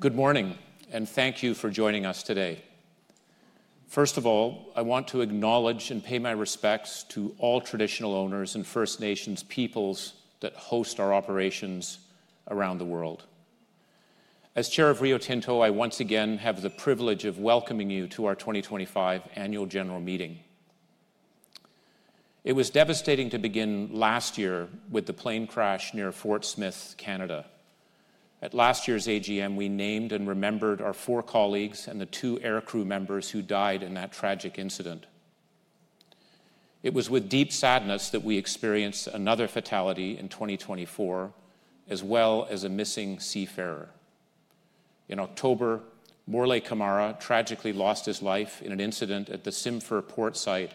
Good morning, and thank you for joining us today. First of all, I want to acknowledge and pay my respects to all Traditional Owners and First Nations peoples that host our operations around the world. As Chair of Rio Tinto, I once again have the privilege of welcoming you to our 2025 Annual General Meeting. It was devastating to begin last year with the plane crash near Fort Smith, Canada. At last year's AGM, we named and remembered our four colleagues and the two aircrew members who died in that tragic incident. It was with deep sadness that we experienced another fatality in 2024, as well as a missing seafarer. In October, Morley Camara tragically lost his life in an incident at the SimFer port site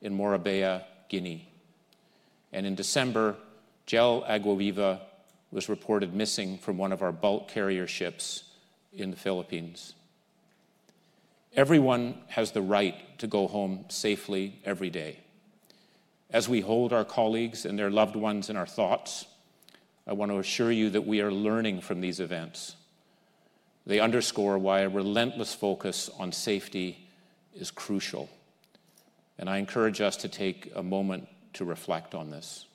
in Morabeya, Guinea. In December, Gel Aguaviva was reported missing from one of our bulk carrier ships in the Philippines. Everyone has the right to go home safely every day. As we hold our colleagues and their loved ones in our thoughts, I want to assure you that we are learning from these events. They underscore why a relentless focus on safety is crucial. I encourage us to take a moment to reflect on this.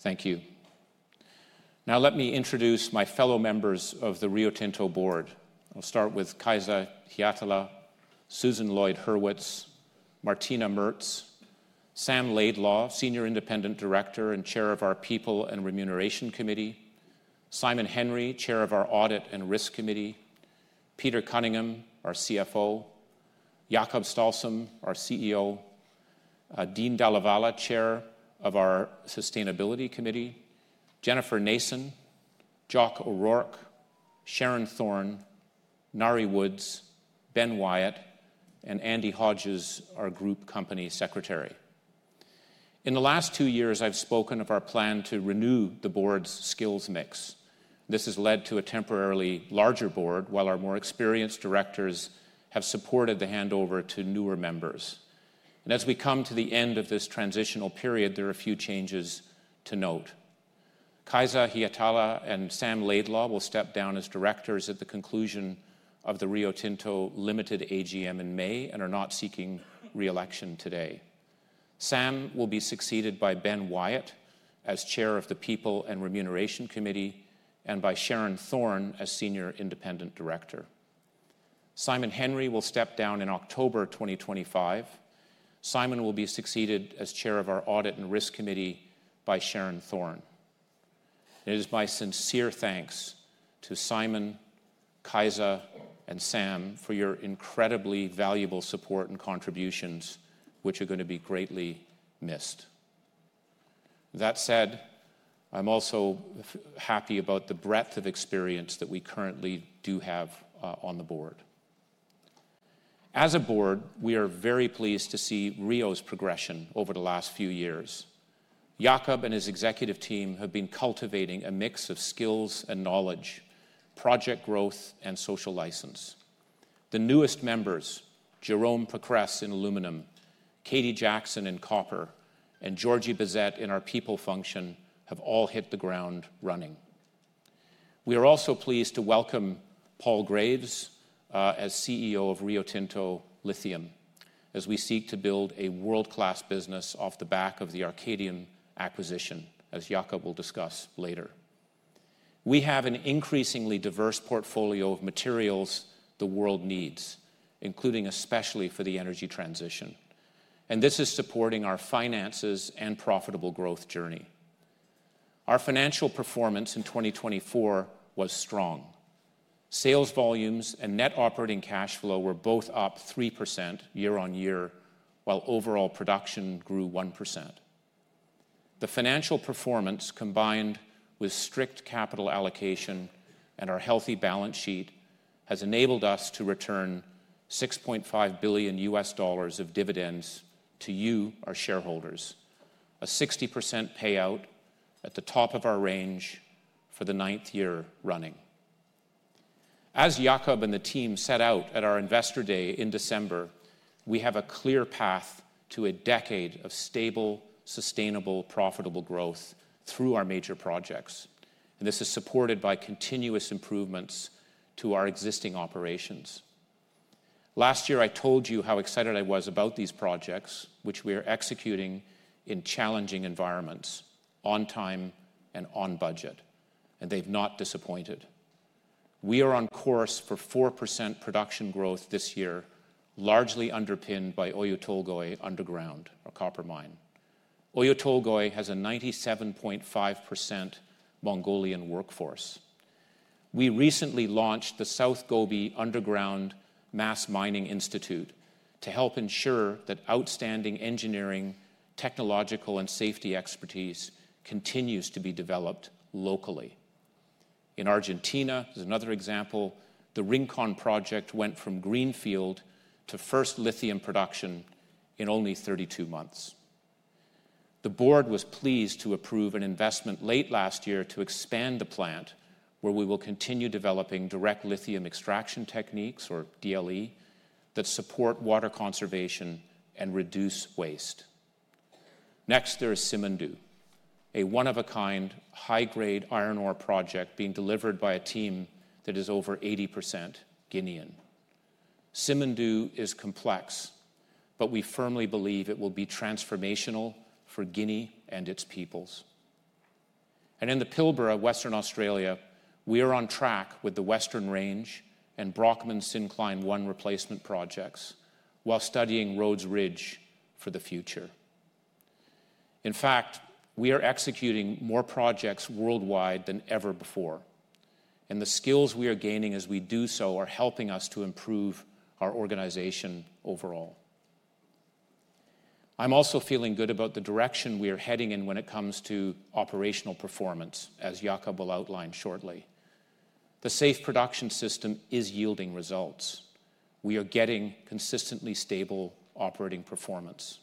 Thank you. Now, let me introduce my fellow members of the Rio Tinto Board. I'll start with Kaisa Hietala, Susan Lloyd-Hurwitz, Martina Merz, Sam Laidlaw, Senior Independent Director and Chair of our People and Remuneration Committee, Simon Henry, Chair of our Audit and Risk Committee, Peter Cunningham, our CFO, Jakob Stausholm, our CEO, Dean Dalla Valle, Chair of our Sustainability Committee, Jennifer Nason, Joc O'Rourke, Sharon Thorne, Ngaire Woods, Ben Wyatt, and Andy Hodges, our Group Company Secretary. In the last two years, I've spoken of our plan to renew the Board's skills mix. This has led to a temporarily larger board, while our more experienced directors have supported the handover to newer members. As we come to the end of this transitional period, there are a few changes to note. Kaisa Hietala and Sam Laidlaw will step down as directors at the conclusion of the Rio Tinto Limited AGM in May and are not seeking reelection today. Sam will be succeeded by Ben Wyatt as Chair of the People and Remuneration Committee and by Sharon Thorne as Senior Independent Director. Simon Henry will step down in October 2025. Simon will be succeeded as Chair of our Audit and Risk Committee by Sharon Thorne. It is my sincere thanks to Simon, Kaisa, and Sam for your incredibly valuable support and contributions, which are going to be greatly missed. That said, I'm also happy about the breadth of experience that we currently do have on the Board. As a Board, we are very pleased to see Rio's progression over the last few years. Jakob and his executive team have been cultivating a mix of skills and knowledge, project growth, and social license. The newest members, Jérôme Pécresse in aluminum, Katie Jackson in copper, and Georgie Bezette in our people function, have all hit the ground running. We are also pleased to welcome Paul Graves as CEO of Rio Tinto Lithium, as we seek to build a world-class business off the back of the Arcadium acquisition, as Jakob will discuss later. We have an increasingly diverse portfolio of materials the world needs, including especially for the energy transition. This is supporting our finances and profitable growth journey. Our financial performance in 2024 was strong. Sales volumes and net operating cash flow were both up 3% year on year, while overall production grew 1%. The financial performance, combined with strict capital allocation and our healthy balance sheet, has enabled us to return $6.5 billion of dividends to you, our shareholders, a 60% payout at the top of our range for the ninth year running. As Jakob and the team set out at our Investor Day in December, we have a clear path to a decade of stable, sustainable, profitable growth through our major projects. This is supported by continuous improvements to our existing operations. Last year, I told you how excited I was about these projects, which we are executing in challenging environments, on time, and on budget. They have not disappointed. We are on course for 4% production growth this year, largely underpinned by Oyu Tolgoi Underground, our copper mine. Tolgoi has a 97.5% Mongolian workforce. We recently launched the South Gobi Underground Mass Mining Institute to help ensure that outstanding engineering, technological, and safety expertise continues to be developed locally. In Argentina, there's another example. The Rincón project went from greenfield to first lithium production in only 32 months. The Board was pleased to approve an investment late last year to expand the plant, where we will continue developing direct lithium extraction techniques, or DLE, that support water conservation and reduce waste. Next, there is Simandou, a one-of-a-kind high-grade iron ore project being delivered by a team that is over 80% Guinean. Simandou is complex, but we firmly believe it will be transformational for Guinea and its peoples. In the Pilbara of Western Australia, we are on track with the Western Range and Brockman Syncline 1 replacement projects, while studying Rhodes Ridge for the future. In fact, we are executing more projects worldwide than ever before. The skills we are gaining as we do so are helping us to improve our organization overall. I'm also feeling good about the direction we are heading in when it comes to operational performance, as Jakob will outline shortly. The Safe Production System is yielding results. We are getting consistently stable operating performance.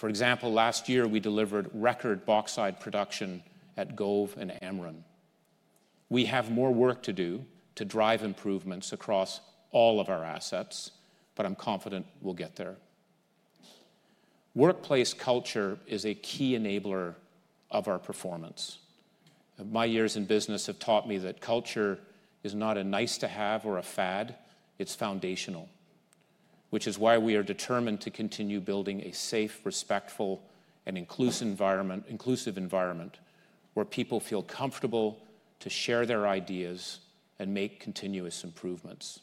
For example, last year, we delivered record bauxite production at Gove and Amrun. We have more work to do to drive improvements across all of our assets, but I'm confident we'll get there. Workplace culture is a key enabler of our performance. My years in business have taught me that culture is not a nice-to-have or a fad. It's foundational, which is why we are determined to continue building a safe, respectful, and inclusive environment where people feel comfortable to share their ideas and make continuous improvements.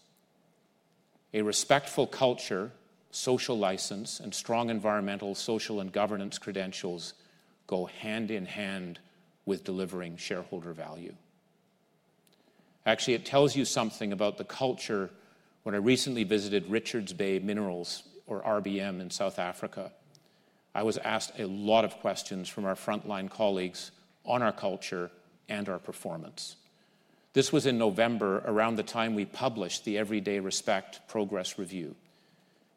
A respectful culture, social license, and strong environmental, social, and governance credentials go hand in hand with delivering shareholder value. Actually, it tells you something about the culture. When I recently visited Richards Bay Minerals, or RBM, in South Africa, I was asked a lot of questions from our frontline colleagues on our culture and our performance. This was in November, around the time we published the Everyday Respect Progress Review.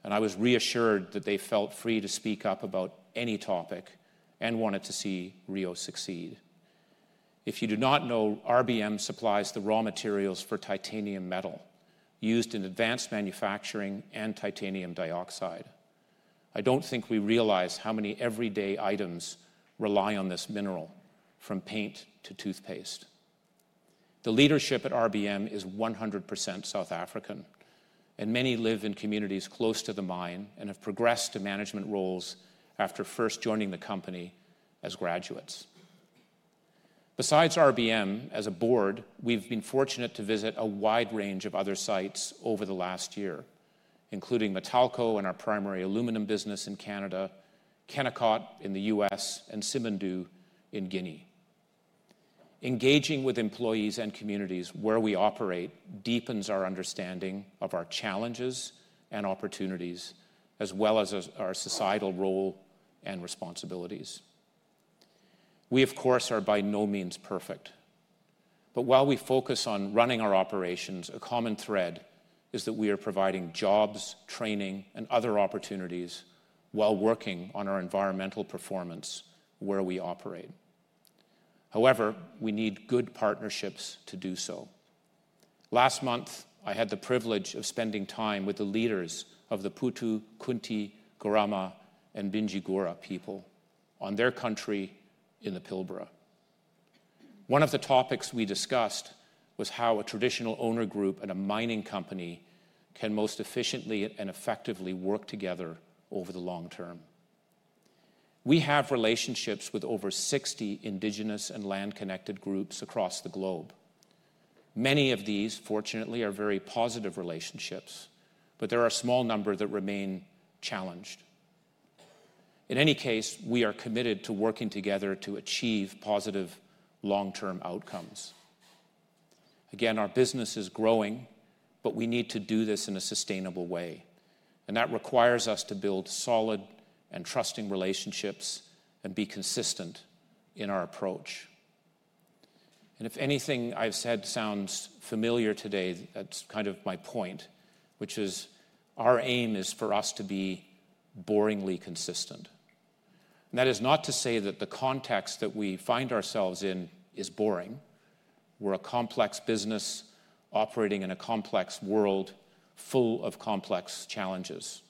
I was reassured that they felt free to speak up about any topic and wanted to see Rio succeed. If you do not know, RBM supplies the raw materials for titanium metal used in advanced manufacturing and titanium dioxide. I do not think we realize how many everyday items rely on this mineral, from paint to toothpaste. The leadership at RBM is 100% South African. Many live in communities close to the mine and have progressed to management roles after first joining the company as graduates. Besides RBM, as a Board, we have been fortunate to visit a wide range of other sites over the last year, including Matalco and our primary aluminum business in Canada, Kennecott in the U.S., and Simandou in Guinea. Engaging with employees and communities where we operate deepens our understanding of our challenges and opportunities, as well as our societal role and responsibilities. We, of course, are by no means perfect. While we focus on running our operations, a common thread is that we are providing jobs, training, and other opportunities while working on our environmental performance where we operate. However, we need good partnerships to do so. Last month, I had the privilege of spending time with the leaders of the Puutu, Kunti, Kurrama, and Binigura people on their country in the Pilbara. One of the topics we discussed was how a Traditional Owner Group and a mining company can most efficiently and effectively work together over the long term. We have relationships with over 60 indigenous and land-connected groups across the globe. Many of these, fortunately, are very positive relationships, but there are a small number that remain challenged. In any case, we are committed to working together to achieve positive long-term outcomes. Again, our business is growing, but we need to do this in a sustainable way. That requires us to build solid and trusting relationships and be consistent in our approach. If anything I've said sounds familiar today, that's kind of my point, which is our aim is for us to be boringly consistent. That is not to say that the context that we find ourselves in is boring. We're a complex business operating in a complex world full of complex challenges: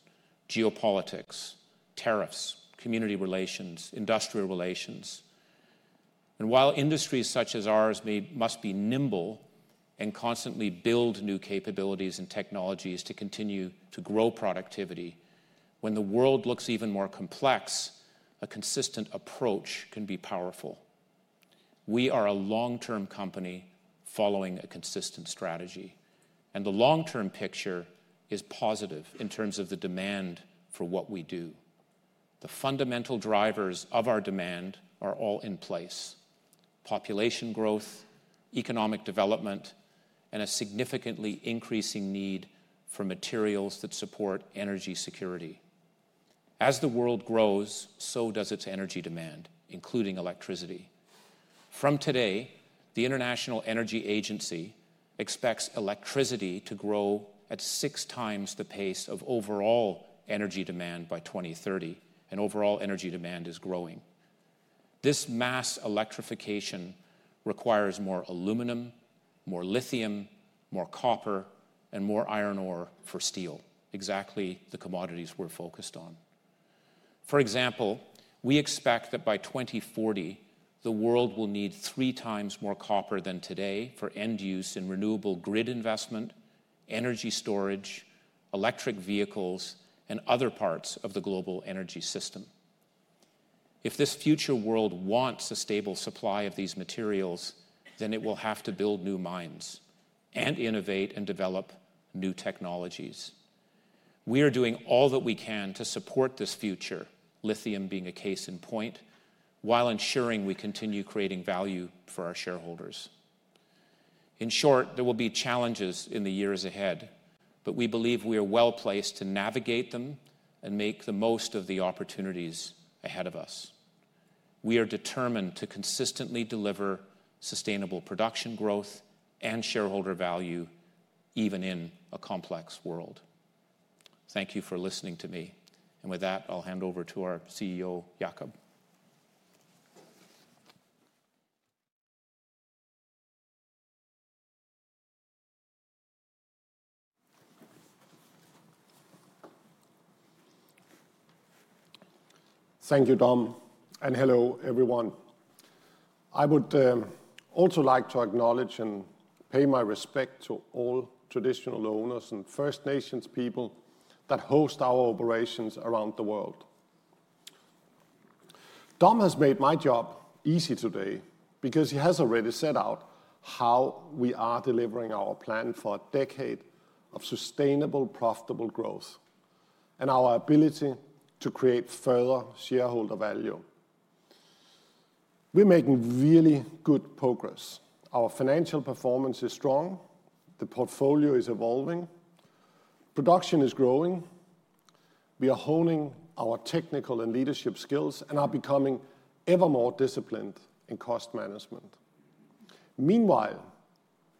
geopolitics, tariffs, community relations, industrial relations. While industries such as ours must be nimble and constantly build new capabilities and technologies to continue to grow productivity, when the world looks even more complex, a consistent approach can be powerful. We are a long-term company following a consistent strategy. The long-term picture is positive in terms of the demand for what we do. The fundamental drivers of our demand are all in place: population growth, economic development, and a significantly increasing need for materials that support energy security. As the world grows, so does its energy demand, including electricity. From today, the International Energy Agency expects electricity to grow at six times the pace of overall energy demand by 2030. Overall energy demand is growing. This mass electrification requires more aluminum, more lithium, more copper, and more iron ore for steel, exactly the commodities we're focused on. For example, we expect that by 2040, the world will need three times more copper than today for end-use and renewable grid investment, energy storage, electric vehicles, and other parts of the global energy system. If this future world wants a stable supply of these materials, then it will have to build new mines and innovate and develop new technologies. We are doing all that we can to support this future, lithium being a case in point, while ensuring we continue creating value for our shareholders. In short, there will be challenges in the years ahead, but we believe we are well placed to navigate them and make the most of the opportunities ahead of us. We are determined to consistently deliver sustainable production growth and shareholder value, even in a complex world. Thank you for listening to me. With that, I'll hand over to our CEO, Jakob. Thank you, Dom. Hello, everyone. I would also like to acknowledge and pay my respect to all Traditional Owners and First Nations people that host our operations around the world. Dom has made my job easy today because he has already set out how we are delivering our plan for a decade of sustainable, profitable growth and our ability to create further shareholder value. We're making really good progress. Our financial performance is strong. The portfolio is evolving. Production is growing. We are honing our technical and leadership skills and are becoming ever more disciplined in cost management. Meanwhile,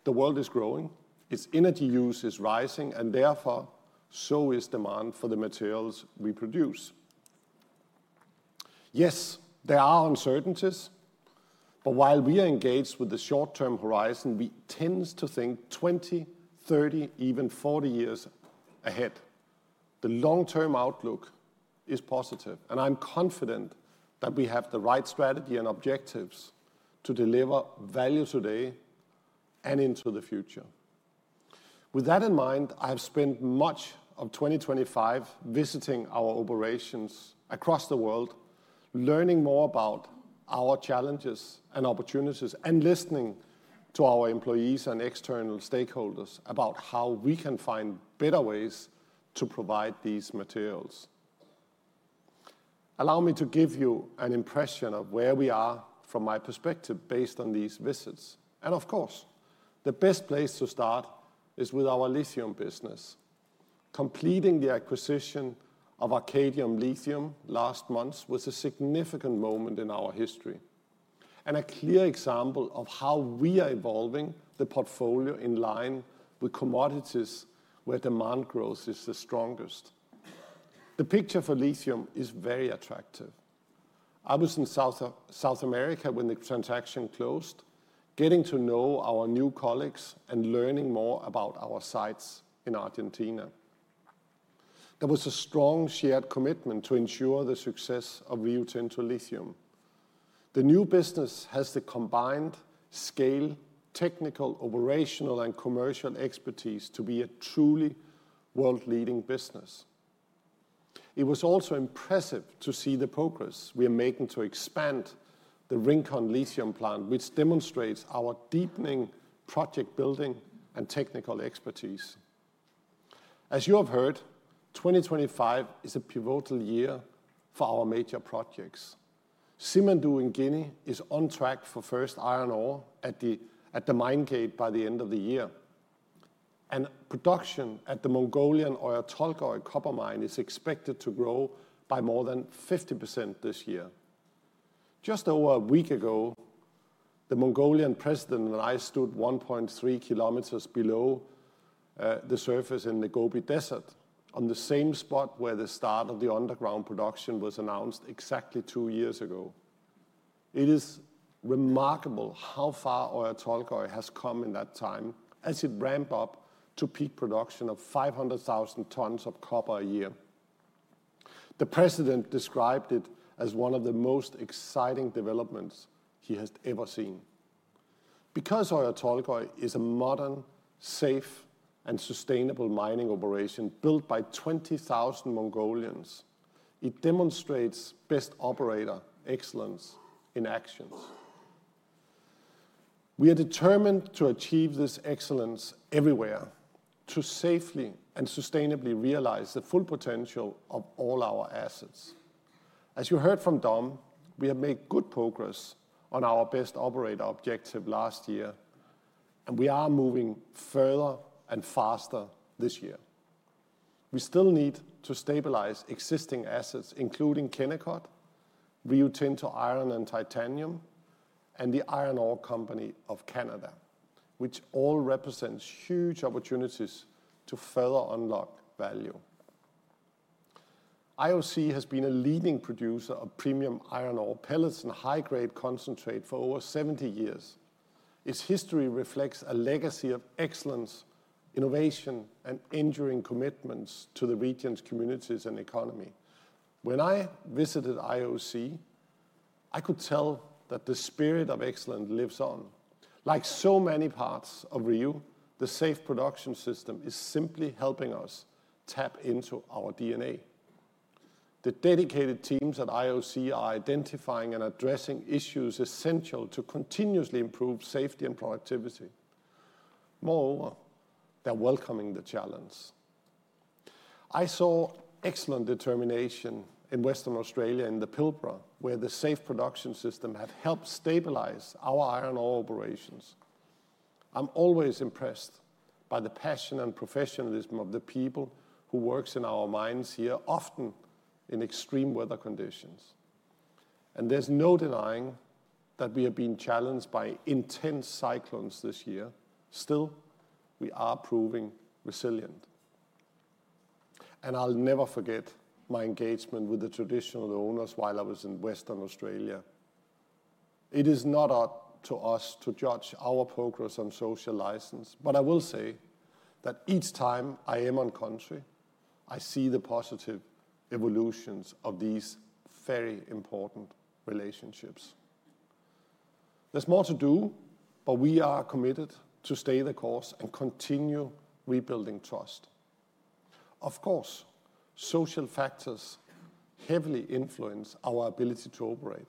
the world is growing. Its energy use is rising, and therefore, so is demand for the materials we produce. Yes, there are uncertainties. While we are engaged with the short-term horizon, we tend to think 20, 30, even 40 years ahead. The long-term outlook is positive. I'm confident that we have the right strategy and objectives to deliver value today and into the future. With that in mind, I have spent much of 2025 visiting our operations across the world, learning more about our challenges and opportunities, and listening to our employees and external stakeholders about how we can find better ways to provide these materials. Allow me to give you an impression of where we are from my perspective based on these visits. The best place to start is with our lithium business. Completing the acquisition of Arcadium Lithium last month was a significant moment in our history and a clear example of how we are evolving the portfolio in line with commodities where demand growth is the strongest. The picture for lithium is very attractive. I was in South America when the transaction closed, getting to know our new colleagues and learning more about our sites in Argentina. There was a strong shared commitment to ensure the success of Rio Tinto Lithium. The new business has the combined scale, technical, operational, and commercial expertise to be a truly world-leading business. It was also impressive to see the progress we are making to expand the Rincón Lithium Plant, which demonstrates our deepening project building and technical expertise. As you have heard, 2025 is a pivotal year for our major projects. Simandou in Guinea is on track for first iron ore at the mine gate by the end of the year. Production at the Mongolian Oyu Tolgoi Copper Mine is expected to grow by more than 50% this year. Just over a week ago, the Mongolian president and I stood 1.3 kilometers below the surface in the Gobi Desert, on the same spot where the start of the underground production was announced exactly two years ago. It is remarkable how far Oyu Tolgoi has come in that time as it ramped up to peak production of 500,000 tons of copper a year. The president described it as one of the most exciting developments he has ever seen. Because Oyu Tolgoi is a modern, safe, and sustainable mining operation built by 20,000 Mongolians, it demonstrates best operator excellence in actions. We are determined to achieve this excellence everywhere to safely and sustainably realize the full potential of all our assets. As you heard from Dom, we have made good progress on our best operator objective last year, and we are moving further and faster this year. We still need to stabilize existing assets, including Kennecott, Rio Tinto Iron and Titanium, and the Iron Ore Company of Canada, which all represent huge opportunities to further unlock value. IOC has been a leading producer of premium iron ore pellets and high-grade concentrate for over 70 years. Its history reflects a legacy of excellence, innovation, and enduring commitments to the region's communities and economy. When I visited IOC, I could tell that the spirit of excellence lives on. Like so many parts of Rio, the safe production system is simply helping us tap into our DNA. The dedicated teams at IOC are identifying and addressing issues essential to continuously improve safety and productivity. Moreover, they're welcoming the challenge. I saw excellent determination in Western Australia in the Pilbara, where the safe production system had helped stabilize our iron ore operations. I'm always impressed by the passion and professionalism of the people who work in our mines here, often in extreme weather conditions. There is no denying that we have been challenged by intense cyclones this year. Still, we are proving resilient. I'll never forget my engagement with the Traditional Owners while I was in Western Australia. It is not up to us to judge our progress on social license. I will say that each time I am on country, I see the positive evolutions of these very important relationships. There's more to do, but we are committed to stay the course and continue rebuilding trust. Of course, social factors heavily influence our ability to operate.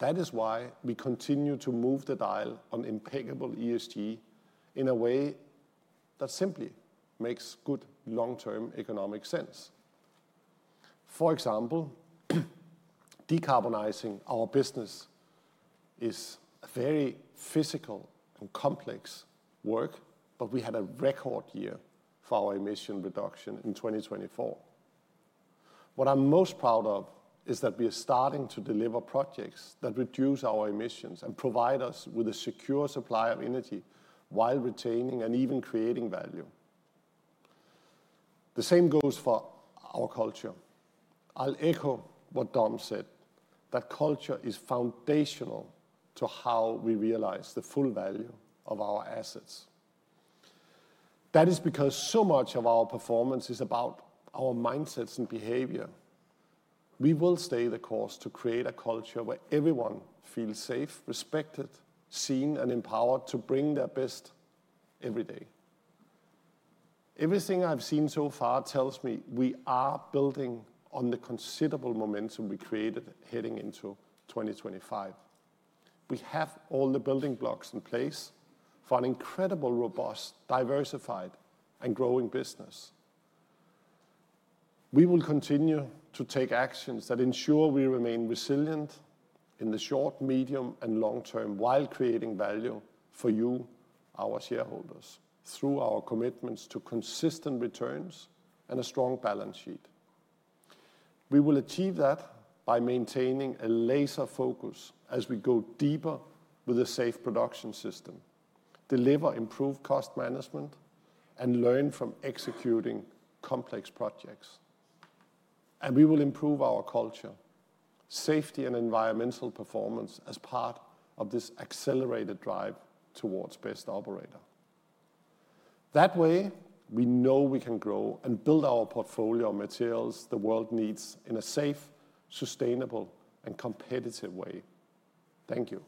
That is why we continue to move the dial on impeccable ESG in a way that simply makes good long-term economic sense. For example, decarbonizing our business is a very physical and complex work, but we had a record year for our emission reduction in 2024. What I'm most proud of is that we are starting to deliver projects that reduce our emissions and provide us with a secure supply of energy while retaining and even creating value. The same goes for our culture. I'll echo what Dom said, that culture is foundational to how we realize the full value of our assets. That is because so much of our performance is about our mindsets and behavior. We will stay the course to create a culture where everyone feels safe, respected, seen, and empowered to bring their best every day. Everything I've seen so far tells me we are building on the considerable momentum we created heading into 2025. We have all the building blocks in place for an incredibly robust, diversified, and growing business. We will continue to take actions that ensure we remain resilient in the short, medium, and long term while creating value for you, our shareholders, through our commitments to consistent returns and a strong balance sheet. We will achieve that by maintaining a laser focus as we go deeper with the Safe Production System, deliver improved cost management, and learn from executing complex projects. We will improve our culture, safety, and environmental performance as part of this accelerated drive towards best operator. That way, we know we can grow and build our portfolio of materials the world needs in a safe, sustainable, and competitive way. Thank you.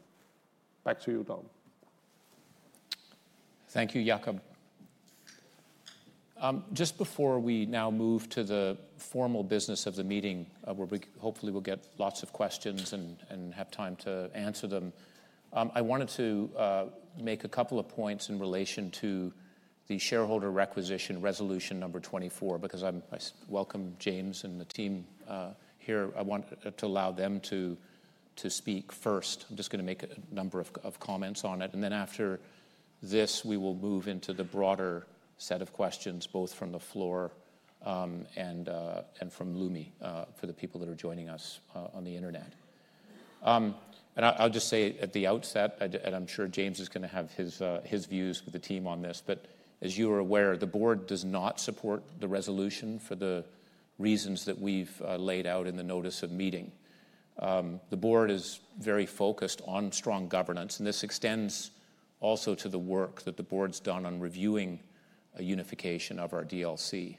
Back to you, Dom. Thank you, Jakob. Just before we now move to the formal business of the meeting, where we hopefully will get lots of questions and have time to answer them, I wanted to make a couple of points in relation to the shareholder requisition resolution number 24, because I welcome James and the team here. I want to allow them to speak first. I'm just going to make a number of comments on it. After this, we will move into the broader set of questions, both from the floor and from Lumi, for the people that are joining us on the internet. I'll just say at the outset, and I'm sure James is going to have his views with the team on this, but as you are aware, the board does not support the resolution for the reasons that we've laid out in the notice of meeting. The board is very focused on strong governance. This extends also to the work that the board's done on reviewing a unification of our DLC.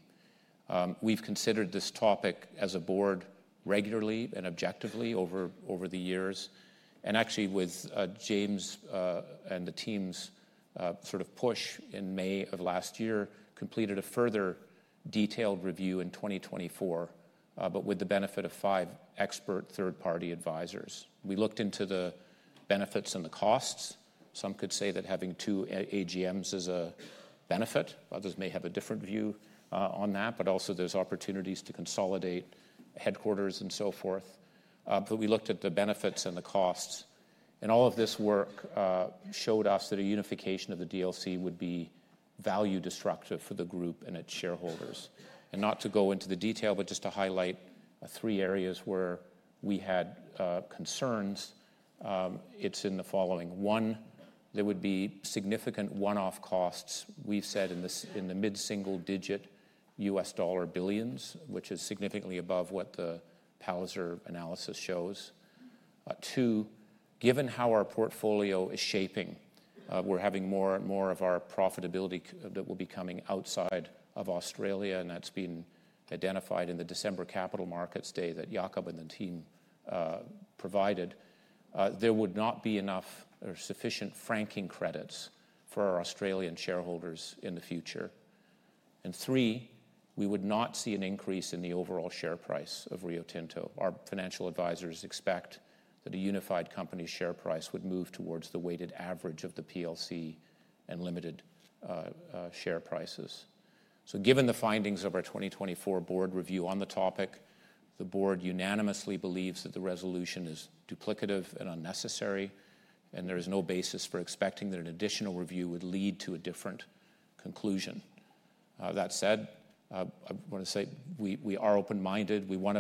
We've considered this topic as a board regularly and objectively over the years. Actually, with James and the team's sort of push in May of last year, completed a further detailed review in 2024, but with the benefit of five expert third-party advisors. We looked into the benefits and the costs. Some could say that having two AGMs is a benefit. Others may have a different view on that. There are opportunities to consolidate headquarters and so forth. We looked at the benefits and the costs. All of this work showed us that a unification of the DLC would be value-destructive for the group and its shareholders. Not to go into the detail, but just to highlight three areas where we had concerns, it's in the following. One, there would be significant one-off costs. We've said in the mid-single-digit U.S. Dollar billions, which is significantly above what the Palliser analysis shows. Two, given how our portfolio is shaping, we're having more and more of our profitability that will be coming outside of Australia. That's been identified in the December capital markets day that Jakob and the team provided. There would not be enough or sufficient franking credits for our Australian shareholders in the future. Three, we would not see an increase in the overall share price of Rio Tinto. Our financial advisors expect that a unified company's share price would move towards the weighted average of the PLC and Limited share prices. Given the findings of our 2024 board review on the topic, the board unanimously believes that the resolution is duplicative and unnecessary, and there is no basis for expecting that an additional review would lead to a different conclusion. That said, I want to say we are open-minded. We want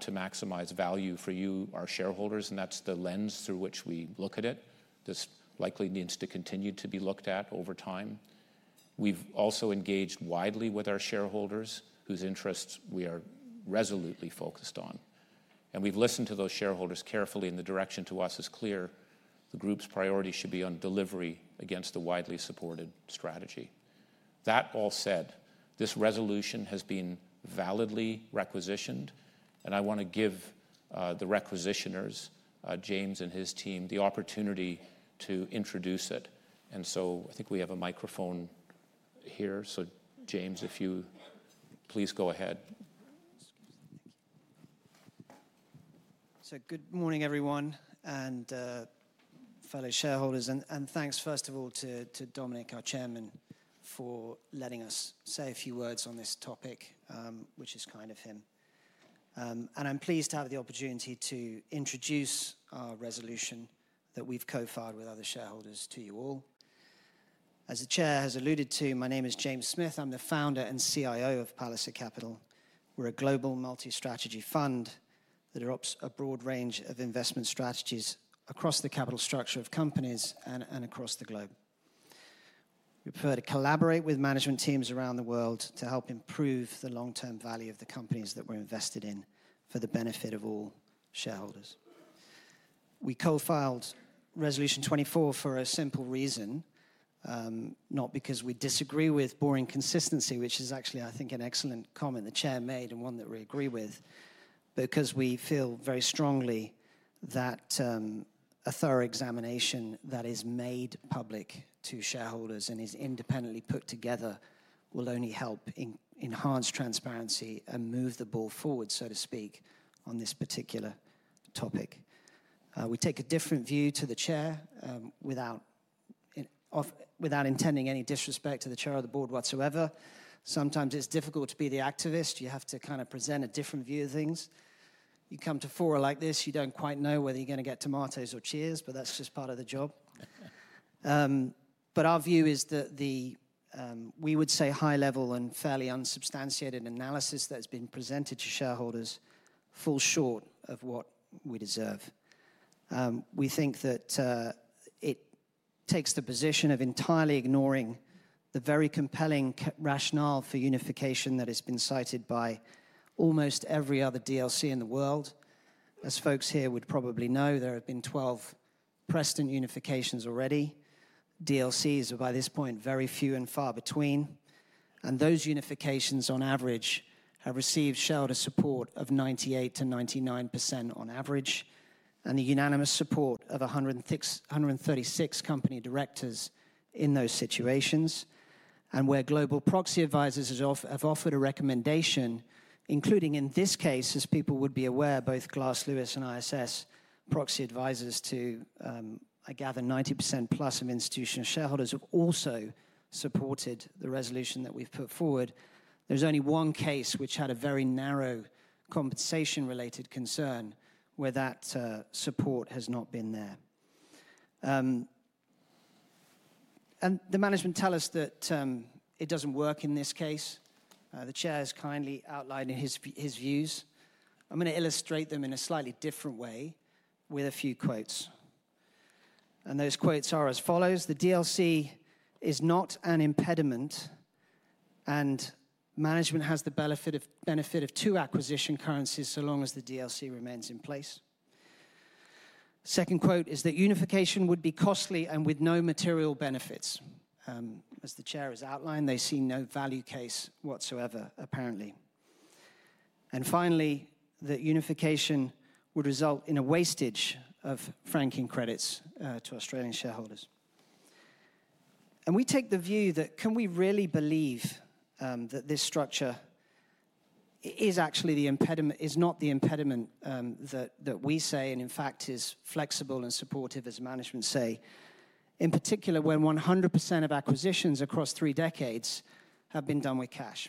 to maximize value for you, our shareholders, and that's the lens through which we look at it. This likely needs to continue to be looked at over time. We've also engaged widely with our shareholders, whose interests we are resolutely focused on. We've listened to those shareholders carefully, and the direction to us is clear. The group's priority should be on delivery against the widely supported strategy. That all said, this resolution has been validly requisitioned, and I want to give the requisitioners, James and his team, the opportunity to introduce it. I think we have a microphone here. James, if you please go ahead. Good morning, everyone, and fellow shareholders. Thanks, first of all, to Dominic, our chairman, for letting us say a few words on this topic, which is kind of him. I'm pleased to have the opportunity to introduce our resolution that we've co-filed with other shareholders to you all. As the chair has alluded to, my name is James Smith. I'm the Founder and CIO of Palliser Capital. We're a global multi-strategy fund that adopts a broad range of investment strategies across the capital structure of companies and across the globe. We prefer to collaborate with management teams around the world to help improve the long-term value of the companies that we're invested in for the benefit of all shareholders. We co-filed resolution 24 for a simple reason, not because we disagree with boring consistency, which is actually, I think, an excellent comment the chair made and one that we agree with, but because we feel very strongly that a thorough examination that is made public to shareholders and is independently put together will only help enhance transparency and move the ball forward, so to speak, on this particular topic. We take a different view to the chair without intending any disrespect to the chair of the board whatsoever. Sometimes it's difficult to be the activist. You have to kind of present a different view of things. You come to fora like this, you don't quite know whether you're going to get tomatoes or cheers, but that's just part of the job. Our view is that the, we would say, high-level and fairly unsubstantiated analysis that's been presented to shareholders falls short of what we deserve. We think that it takes the position of entirely ignoring the very compelling rationale for unification that has been cited by almost every other DLC in the world. As folks here would probably know, there have been 12 precedent unifications already. DLCs are by this point very few and far between. Those unifications, on average, have received shareholder support of 98-99% on average, and the unanimous support of 136 company directors in those situations. Where global proxy advisors have offered a recommendation, including in this case, as people would be aware, both Glass Lewis and ISS proxy advisors to, I gather, 90% plus of institutional shareholders have also supported the resolution that we've put forward. There's only one case which had a very narrow compensation-related concern where that support has not been there. The management tells us that it doesn't work in this case. The Chair has kindly outlined his views. I'm going to illustrate them in a slightly different way with a few quotes. Those quotes are as follows. The DLC is not an impediment, and management has the benefit of two acquisition currencies so long as the DLC remains in place. Second quote is that unification would be costly and with no material benefits. As the Chair has outlined, they see no value case whatsoever, apparently. Finally, that unification would result in a wastage of franking credits to Australian shareholders. We take the view that can we really believe that this structure is actually the impediment, is not the impediment that we say and in fact is flexible and supportive, as management say, in particular when 100% of acquisitions across three decades have been done with cash.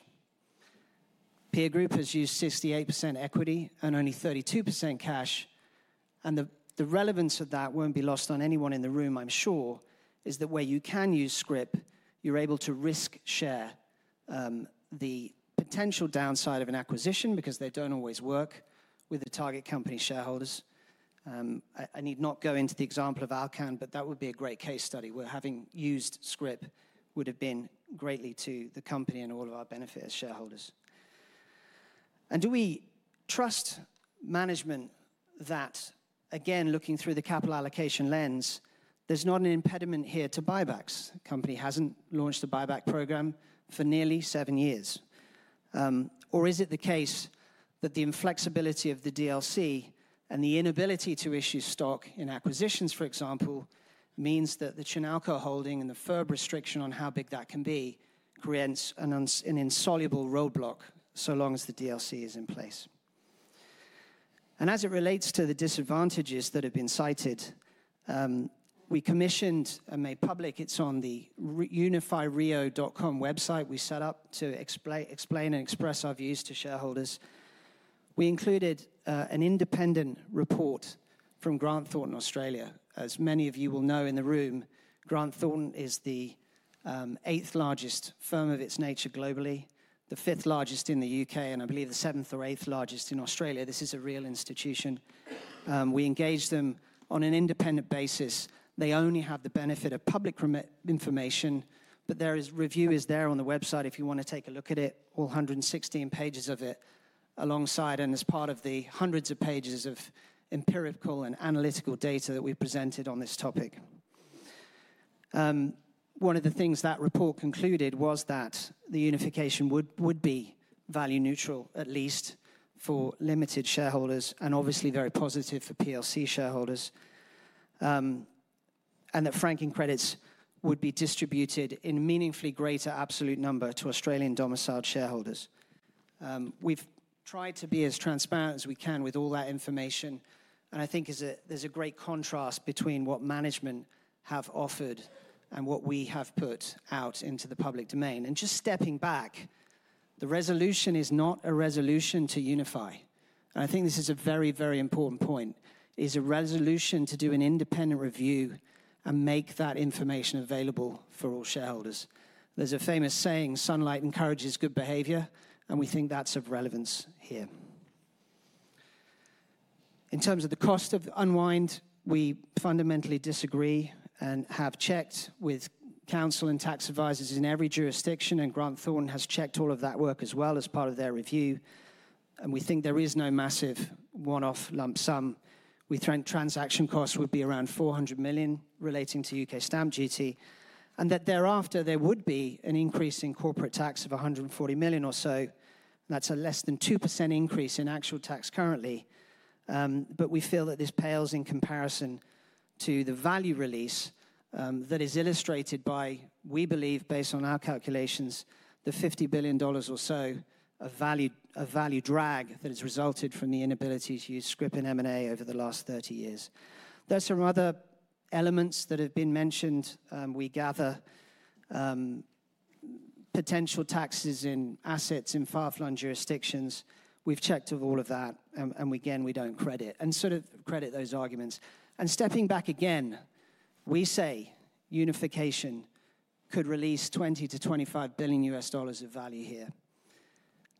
Peer group has used 68% equity and only 32% cash. The relevance of that won't be lost on anyone in the room, I'm sure, is that where you can use scrip, you're able to risk share the potential downside of an acquisition because they don't always work with the target company shareholders. I need not go into the example of Alcan, but that would be a great case study. Where having used scrip would have been greatly to the company and all of our benefit as shareholders. Do we trust management that, again, looking through the capital allocation lens, there's not an impediment here to buybacks? The company hasn't launched a buyback program for nearly seven years. Is it the case that the inflexibility of the DLC and the inability to issue stock in acquisitions, for example, means that the Chinalco holding and the FIRB restriction on how big that can be creates an insoluble roadblock so long as the DLC is in place? As it relates to the disadvantages that have been cited, we commissioned and made public, it's on the unify-rio.com website we set up to explain and express our views to shareholders. We included an independent report from Grant Thornton Australia. As many of you will know in the room, Grant Thornton is the eighth largest firm of its nature globally, the fifth largest in the U.K., and I believe the seventh or eighth largest in Australia. This is a real institution. We engage them on an independent basis. They only have the benefit of public information, but their review is there on the website if you want to take a look at it, all 116 pages of it alongside and as part of the hundreds of pages of empirical and analytical data that we've presented on this topic. One of the things that report concluded was that the unification would be value neutral, at least for Limited shareholders, and obviously very positive for PLC shareholders, and that franking credits would be distributed in a meaningfully greater absolute number to Australian domiciled shareholders. We've tried to be as transparent as we can with all that information. I think there's a great contrast between what management have offered and what we have put out into the public domain. Just stepping back, the resolution is not a resolution to unify. I think this is a very, very important point, it is a resolution to do an independent review and make that information available for all shareholders. There's a famous saying, "Sunlight encourages good behavior," and we think that's of relevance here. In terms of the cost of unwind, we fundamentally disagree and have checked with counsel and tax advisors in every jurisdiction, and Grant Thornton has checked all of that work as well as part of their review. We think there is no massive one-off lump sum. We think transaction costs would be around $400 million relating to U.K. stamp duty, and that thereafter there would be an increase in corporate tax of $140 million or so. That's a less than 2% increase in actual tax currently. We feel that this pales in comparison to the value release that is illustrated by, we believe, based on our calculations, the $50 billion or so of value drag that has resulted from the inability to use scrip and M&A over the last 30 years. There are some other elements that have been mentioned. We gather potential taxes in assets in far-flung jurisdictions. We've checked all of that, and again, we don't credit and sort of credit those arguments. Stepping back again, we say unification could release $20 billion-$25 billion U.S. dollars of value here.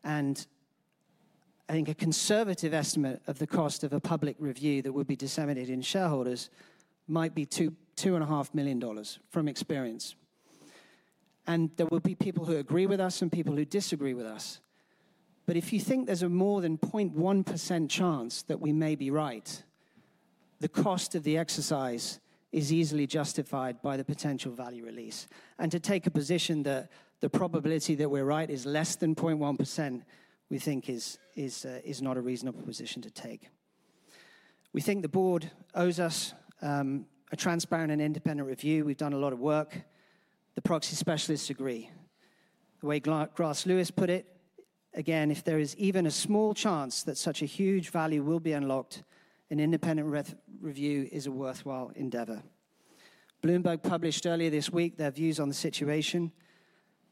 I think a conservative estimate of the cost of a public review that would be disseminated in shareholders might be $2.5 million from experience. There will be people who agree with us and people who disagree with us. If you think there's a more than 0.1% chance that we may be right, the cost of the exercise is easily justified by the potential value release. To take a position that the probability that we're right is less than 0.1%, we think is not a reasonable position to take. We think the board owes us a transparent and independent review. We've done a lot of work. The proxy specialists agree. The way Glass Lewis put it, again, if there is even a small chance that such a huge value will be unlocked, an independent review is a worthwhile endeavor. Bloomberg published earlier this week their views on the situation.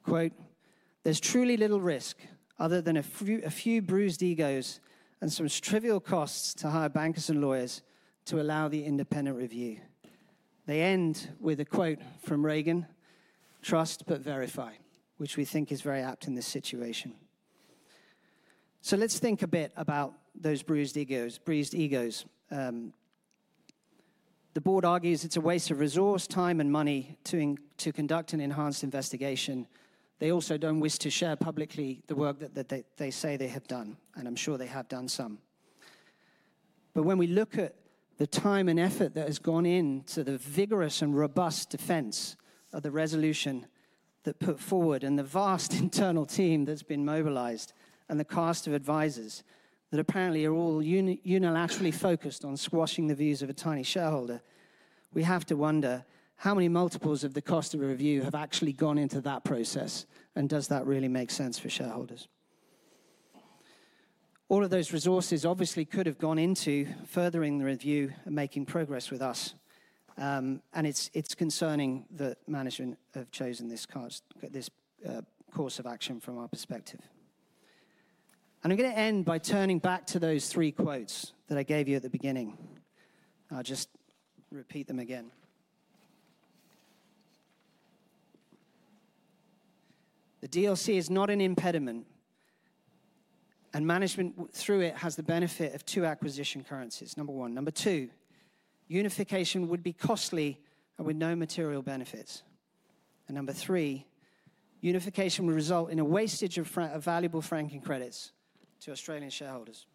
"There's truly little risk other than a few bruised egos and some trivial costs to hire bankers and lawyers to allow the independent review." They end with a quote from Reagan, "Trust, but verify," which we think is very apt in this situation. Let's think a bit about those bruised egos. The board argues it's a waste of resource, time, and money to conduct an enhanced investigation. They also don't wish to share publicly the work that they say they have done, and I'm sure they have done some. When we look at the time and effort that has gone into the vigorous and robust defense of the resolution that was put forward and the vast internal team that's been mobilized and the cost of advisors that apparently are all unilaterally focused on squashing the views of a tiny shareholder, we have to wonder how many multiples of the cost of a review have actually gone into that process, and does that really make sense for shareholders? All of those resources obviously could have gone into furthering the review and making progress with us. It is concerning that management have chosen this course of action from our perspective. I'm going to end by turning back to those three quotes that I gave you at the beginning. I'll just repeat them again. The DLC is not an impediment, and management through it has the benefit of two acquisition currencies. Number one. Number two, unification would be costly and with no material benefits. Number three, unification would result in a wastage of valuable franking credits to Australian shareholders.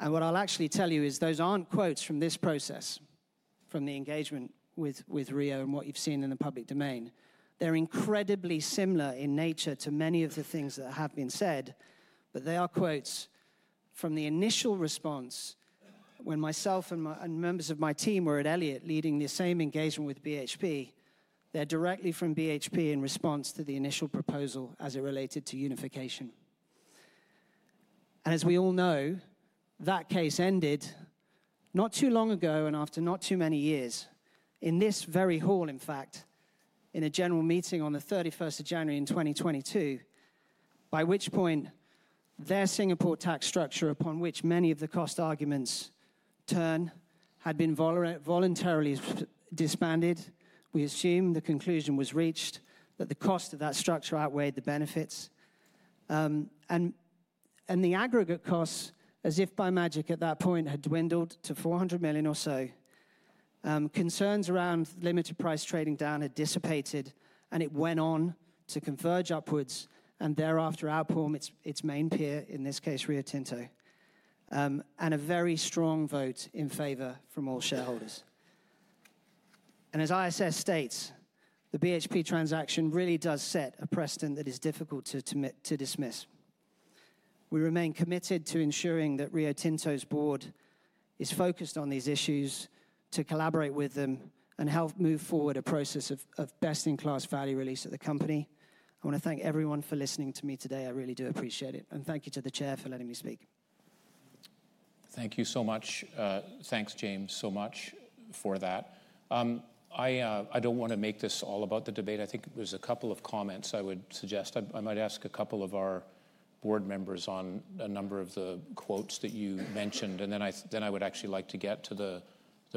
What I'll actually tell you is those aren't quotes from this process, from the engagement with Rio and what you've seen in the public domain. They're incredibly similar in nature to many of the things that have been said, but they are quotes from the initial response when myself and members of my team were at Elliott leading the same engagement with BHP. They're directly from BHP in response to the initial proposal as it related to unification. As we all know, that case ended not too long ago and after not too many years in this very hall, in fact, in a general meeting on the 31st of January in 2022, by which point their Singapore tax structure upon which many of the cost arguments turn had been voluntarily disbanded. We assume the conclusion was reached that the cost of that structure outweighed the benefits. The aggregate costs, as if by magic at that point, had dwindled to $400 million or so. Concerns around limited price trading down had dissipated, and it went on to converge upwards and thereafter outperform its main peer, in this case, Rio Tinto. A very strong vote in favor from all shareholders. As ISS states, the BHP transaction really does set a precedent that is difficult to dismiss. We remain committed to ensuring that Rio Tinto's board is focused on these issues, to collaborate with them and help move forward a process of best-in-class value release at the company. I want to thank everyone for listening to me today. I really do appreciate it. Thank you to the chair for letting me speak. Thank you so much. Thanks, James, so much for that. I do not want to make this all about the debate. I think there are a couple of comments I would suggest. I might ask a couple of our board members on a number of the quotes that you mentioned, and then I would actually like to get to the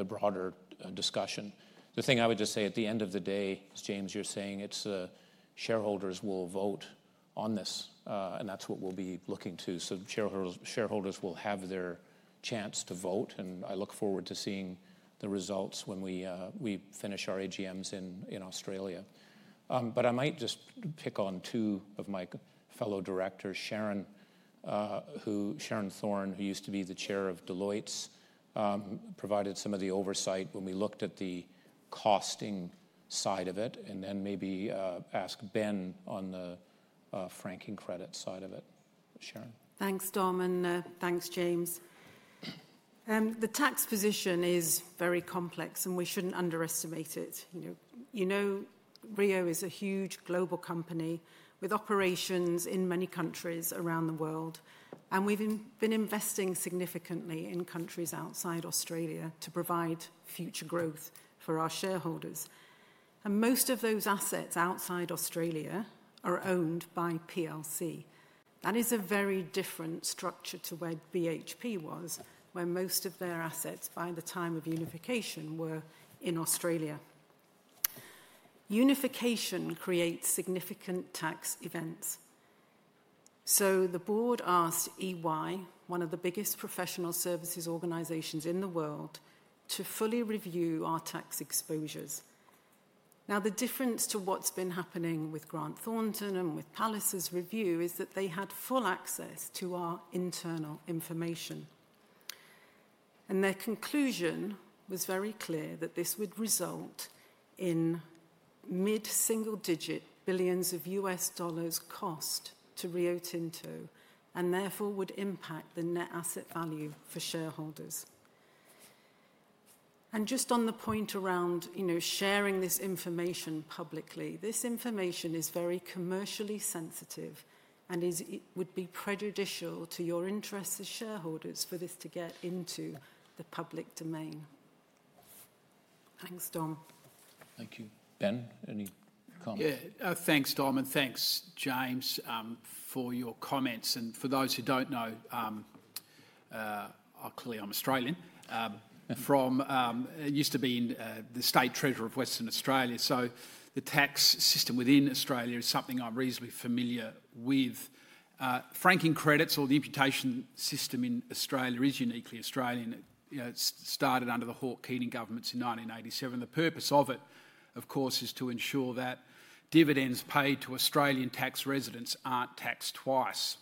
broader discussion. The thing I would just say at the end of the day is, James, you are saying it is shareholders will vote on this, and that is what we will be looking to. Shareholders will have their chance to vote, and I look forward to seeing the results when we finish our AGMs in Australia. I might just pick on two of my fellow directors, Sharon Thorne, who used to be the chair of Deloitte, provided some of the oversight when we looked at the costing side of it. Maybe ask Ben on the franking credit side of it. Sharon. Thanks, Dom. Thanks, James. The tax position is very complex, and we shouldn't underestimate it. You know Rio is a huge global company with operations in many countries around the world, and we've been investing significantly in countries outside Australia to provide future growth for our shareholders. Most of those assets outside Australia are owned by PLC. That is a very different structure to where BHP was, where most of their assets by the time of unification were in Australia. Unification creates significant tax events. The board asked EY, one of the biggest professional services organizations in the world, to fully review our tax exposures. Now, the difference to what's been happening with Grant Thornton and with Palliser's review is that they had full access to our internal information. Their conclusion was very clear that this would result in mid-single-digit billions of U.S. dollars cost to Rio Tinto and therefore would impact the net asset value for shareholders. Just on the point around sharing this information publicly, this information is very commercially sensitive and would be prejudicial to your interests as shareholders for this to get into the public domain. Thanks, Dom. Thank you. Ben, any comments? Yeah. Thanks, Dom, and thanks, James, for your comments. For those who don't know, clearly I'm Australian. I used to be the state treasurer of Western Australia. The tax system within Australia is something I'm reasonably familiar with. Franking credits or the imputation system in Australia is uniquely Australian. It started under the Hawke-Keating governments in 1987. The purpose of it, of course, is to ensure that dividends paid to Australian tax residents aren't taxed twice.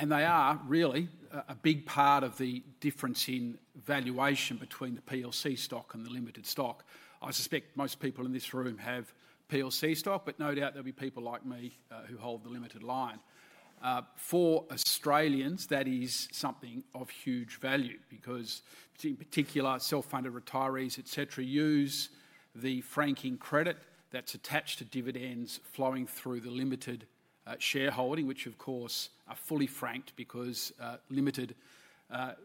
They are really a big part of the difference in valuation between the PLC stock and the limited stock. I suspect most people in this room have PLC stock, but no doubt there'll be people like me who hold the limited line. For Australians, that is something of huge value because, in particular, self-funded retirees, etc., use the franking credit that's attached to dividends flowing through the Limited shareholding, which, of course, are fully franked because Limited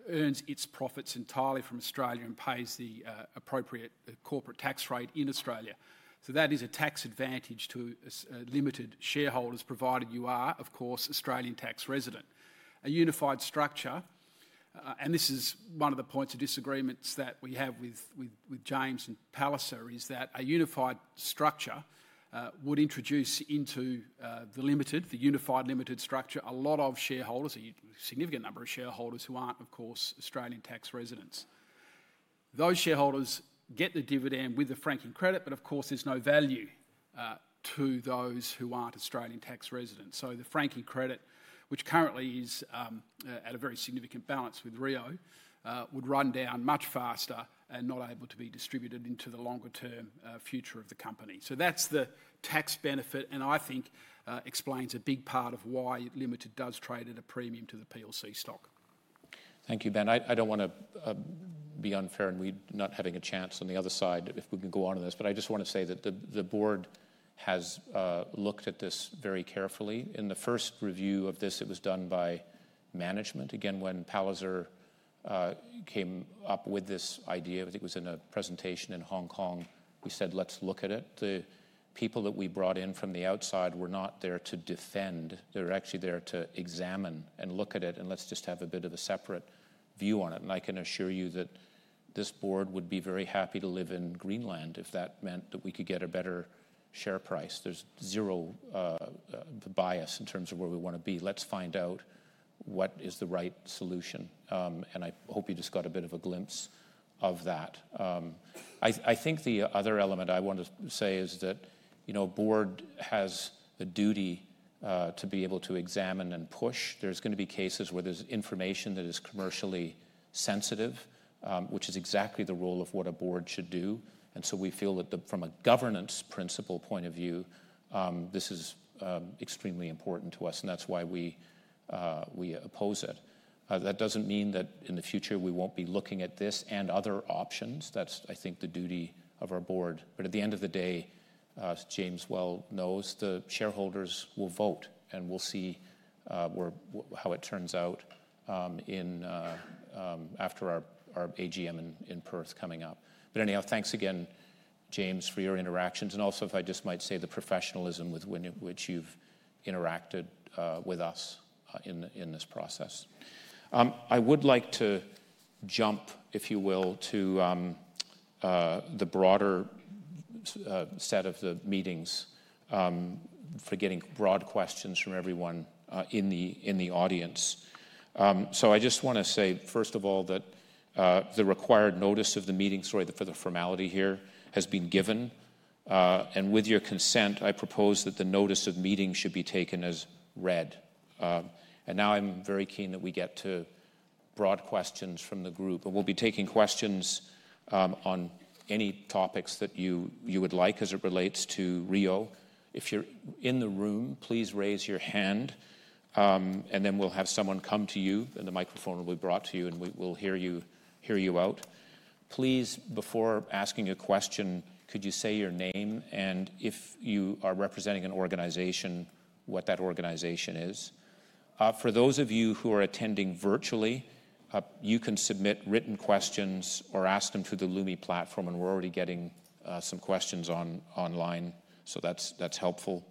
earns its profits entirely from Australia and pays the appropriate corporate tax rate in Australia. That is a tax advantage to Limited shareholders provided you are, of course, Australian tax resident. A unified structure, and this is one of the points of disagreements that we have with James and Palliser, is that a unified structure would introduce into the Limited, the unified Limited structure, a lot of shareholders, a significant number of shareholders who aren't, of course, Australian tax residents. Those shareholders get the dividend with the franking credit, but of course, there's no value to those who aren't Australian tax residents. The franking credit, which currently is at a very significant balance with Rio, would run down much faster and not be able to be distributed into the longer-term future of the company. That is the tax benefit, and I think explains a big part of why Limited does trade at a premium to the PLC stock. Thank you, Ben. I do not want to be unfair and we are not having a chance on the other side if we can go on in this, but I just want to say that the board has looked at this very carefully. In the first review of this, it was done by management. Again, when Palliser came up with this idea, I think it was in a presentation in Hong Kong, we said, "Let's look at it." The people that we brought in from the outside were not there to defend. They were actually there to examine and look at it, and let's just have a bit of a separate view on it. I can assure you that this board would be very happy to live in Greenland if that meant that we could get a better share price. There's zero bias in terms of where we want to be. Let's find out what is the right solution. I hope you just got a bit of a glimpse of that. I think the other element I want to say is that a board has a duty to be able to examine and push. There's going to be cases where there's information that is commercially sensitive, which is exactly the role of what a board should do. We feel that from a governance principle point of view, this is extremely important to us, and that is why we oppose it. That does not mean that in the future we will not be looking at this and other options. That is, I think, the duty of our board. At the end of the day, James well knows the shareholders will vote, and we will see how it turns out after our AGM in Perth coming up. Anyhow, thanks again, James, for your interactions. Also, if I just might say, the professionalism with which you have interacted with us in this process. I would like to jump, if you will, to the broader set of the meetings for getting broad questions from everyone in the audience. I just want to say, first of all, that the required notice of the meeting, sorry, for the formality here, has been given. With your consent, I propose that the notice of meeting should be taken as read. I am very keen that we get to broad questions from the group. We will be taking questions on any topics that you would like as it relates to Rio. If you are in the room, please raise your hand, and then we will have someone come to you, and the microphone will be brought to you, and we will hear you out. Please, before asking a question, could you say your name and if you are representing an organization, what that organization is? For those of you who are attending virtually, you can submit written questions or ask them through the Lumi platform, and we are already getting some questions online, so that is helpful.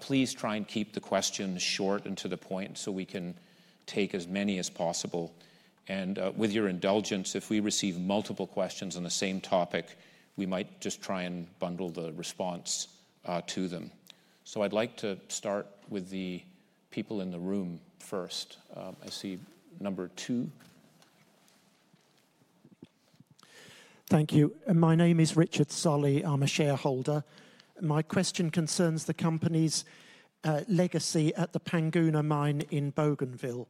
Please try and keep the questions short and to the point so we can take as many as possible. With your indulgence, if we receive multiple questions on the same topic, we might just try and bundle the response to them. I would like to start with the people in the room first. I see number two. Thank you. My name is Richard Solly. I'm a shareholder. My question concerns the company's legacy at the Panguna Mine in Bougainville.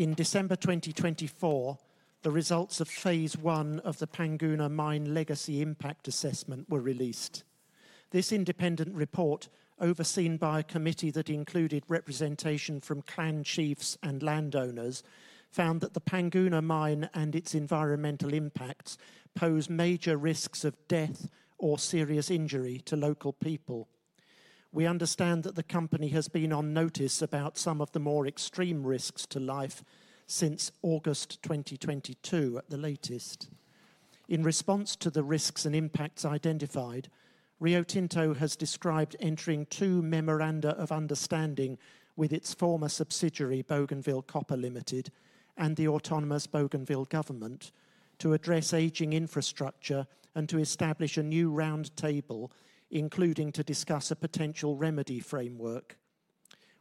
In December 2024, the results of phase one of the Panguna Mine Legacy Impact Assessment were released. This independent report, overseen by a committee that included representation from clan chiefs and landowners, found that the Panguna Mine and its environmental impacts pose major risks of death or serious injury to local people. We understand that the company has been on notice about some of the more extreme risks to life since August 2022 at the latest. In response to the risks and impacts identified, Rio Tinto has described entering two memoranda of understanding with its former subsidiary, Bougainville Copper Limited, and the autonomous Bougainville government to address aging infrastructure and to establish a new round table, including to discuss a potential remedy framework.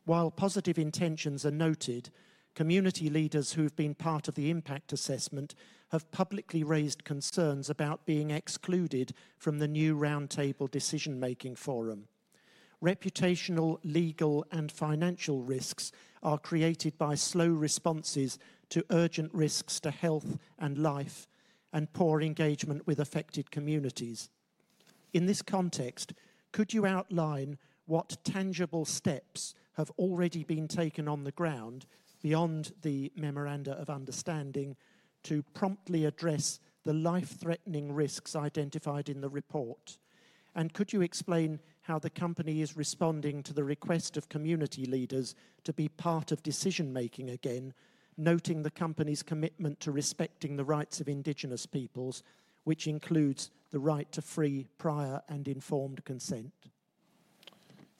While positive intentions are noted, community leaders who have been part of the impact assessment have publicly raised concerns about being excluded from the new round table decision-making forum. Reputational, legal, and financial risks are created by slow responses to urgent risks to health and life and poor engagement with affected communities. In this context, could you outline what tangible steps have already been taken on the ground beyond the memoranda of understanding to promptly address the life-threatening risks identified in the report? Could you explain how the company is responding to the request of community leaders to be part of decision-making again, noting the company's commitment to respecting the rights of indigenous peoples, which includes the right to free, prior, and informed consent?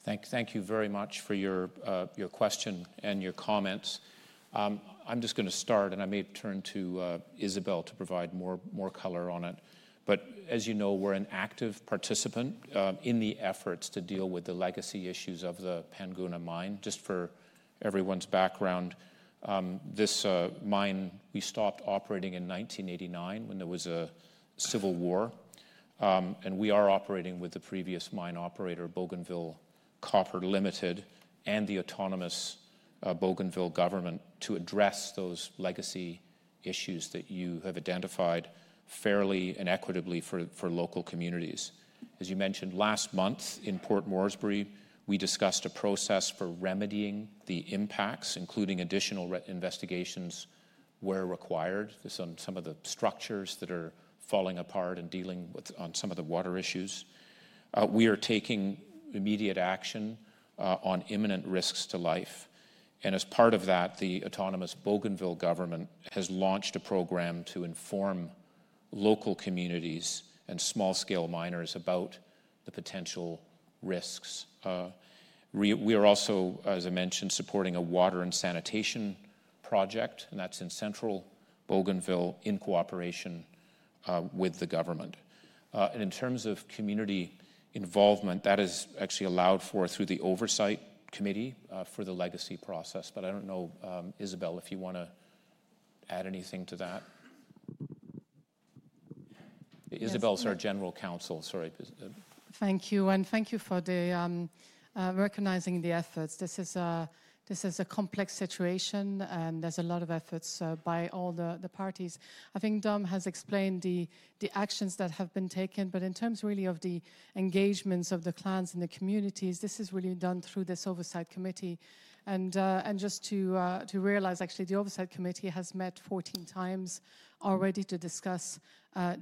Thank you very much for your question and your comments. I'm just going to start, and I may turn to Isabelle to provide more color on it. As you know, we're an active participant in the efforts to deal with the legacy issues of the Panguna Mine. Just for everyone's background, this mine, we stopped operating in 1989 when there was a civil war. We are operating with the previous mine operator, Bougainville Copper Limited, and the autonomous Bougainville government to address those legacy issues that you have identified fairly and equitably for local communities. As you mentioned, last month in Port Moresby, we discussed a process for remedying the impacts, including additional investigations where required on some of the structures that are falling apart and dealing with some of the water issues. We are taking immediate action on imminent risks to life. As part of that, the autonomous Bougainville government has launched a program to inform local communities and small-scale miners about the potential risks. We are also, as I mentioned, supporting a water and sanitation project, and that is in central Bougainville in cooperation with the government. In terms of community involvement, that is actually allowed for through the oversight committee for the legacy process. I do not know, Isabelle, if you want to add anything to that. Isabelle is our General Counsel. Sorry. Thank you. Thank you for recognizing the efforts. This is a complex situation, and there's a lot of efforts by all the parties. I think Dom has explained the actions that have been taken, but in terms really of the engagements of the clans and the communities, this is really done through this oversight committee. Just to realize, actually, the oversight committee has met 14 times already to discuss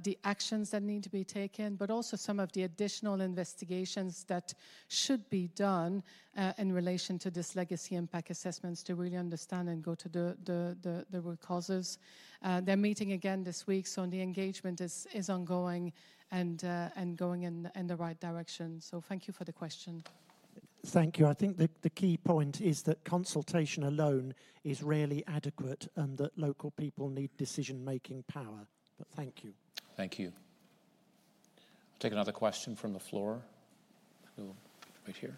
the actions that need to be taken, but also some of the additional investigations that should be done in relation to this legacy impact assessments to really understand and go to the root causes. They're meeting again this week, the engagement is ongoing and going in the right direction. Thank you for the question. Thank you. I think the key point is that consultation alone is rarely adequate and that local people need decision-making power. Thank you. Thank you. I'll take another question from the floor. We'll wait here.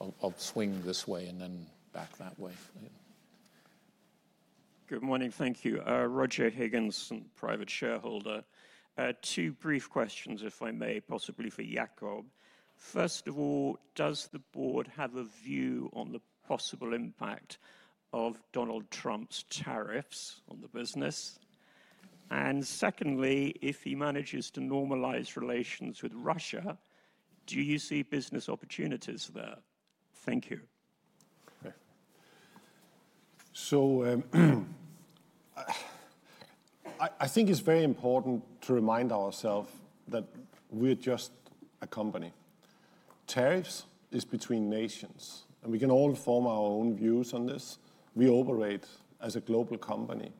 I'll swing this way and then back that way. Good morning. Thank you. Roger Higgins, private shareholder. Two brief questions, if I may, possibly for Jakob. First of all, does the board have a view on the possible impact of Donald Trump's tariffs on the business? And secondly, if he manages to normalize relations with Russia, do you see business opportunities there? Thank you. I think it's very important to remind ourselves that we're just a company. Tariffs is between nations, and we can all form our own views on this. We operate as a global company,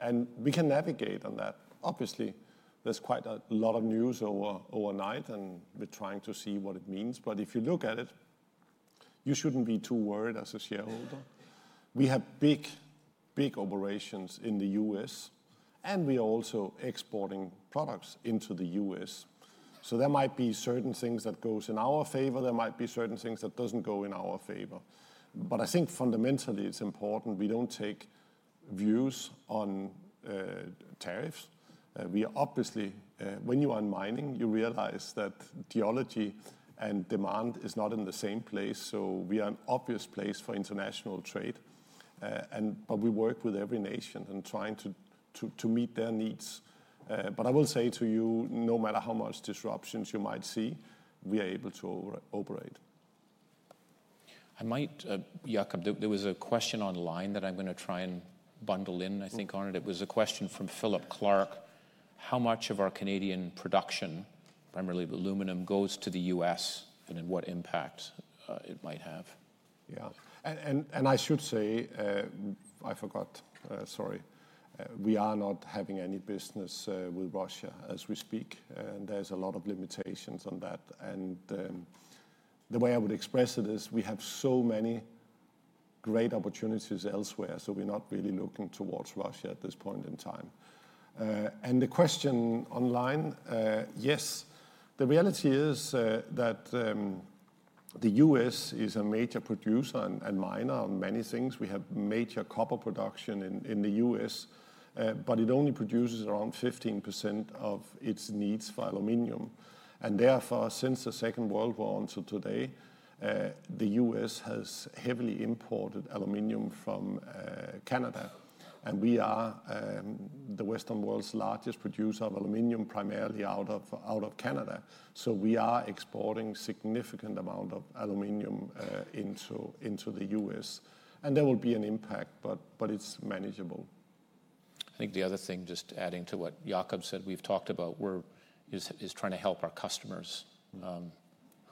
and we can navigate on that. Obviously, there's quite a lot of news overnight, and we're trying to see what it means. If you look at it, you shouldn't be too worried as a shareholder. We have big, big operations in the U.S., and we are also exporting products into the U.S. There might be certain things that go in our favor. There might be certain things that do not go in our favor. I think fundamentally it is important we do not take views on tariffs. We are obviously, when you are in mining, you realize that geology and demand are not in the same place. We are an obvious place for international trade. We work with every nation and try to meet their needs. I will say to you, no matter how much disruptions you might see, we are able to operate. I might, Jakob, there was a question online that I am going to try and bundle in, I think, on it. It was a question from Philip Clark. How much of our Canadian production, primarily aluminum, goes to the U.S. and what impact it might have? Yeah. I should say, I forgot, sorry, we are not having any business with Russia as we speak. There is a lot of limitations on that. The way I would express it is we have so many great opportunities elsewhere, so we're not really looking towards Russia at this point in time. The question online, yes, the reality is that the U.S. is a major producer and miner on many things. We have major copper production in the U.S., but it only produces around 15% of its needs for aluminum. Therefore, since the Second World War until today, the U.S. has heavily imported aluminum from Canada. We are the Western world's largest producer of aluminum, primarily out of Canada. We are exporting a significant amount of aluminum into the U.S., and there will be an impact, but it's manageable. I think the other thing, just adding to what Jakob said, we've talked about is trying to help our customers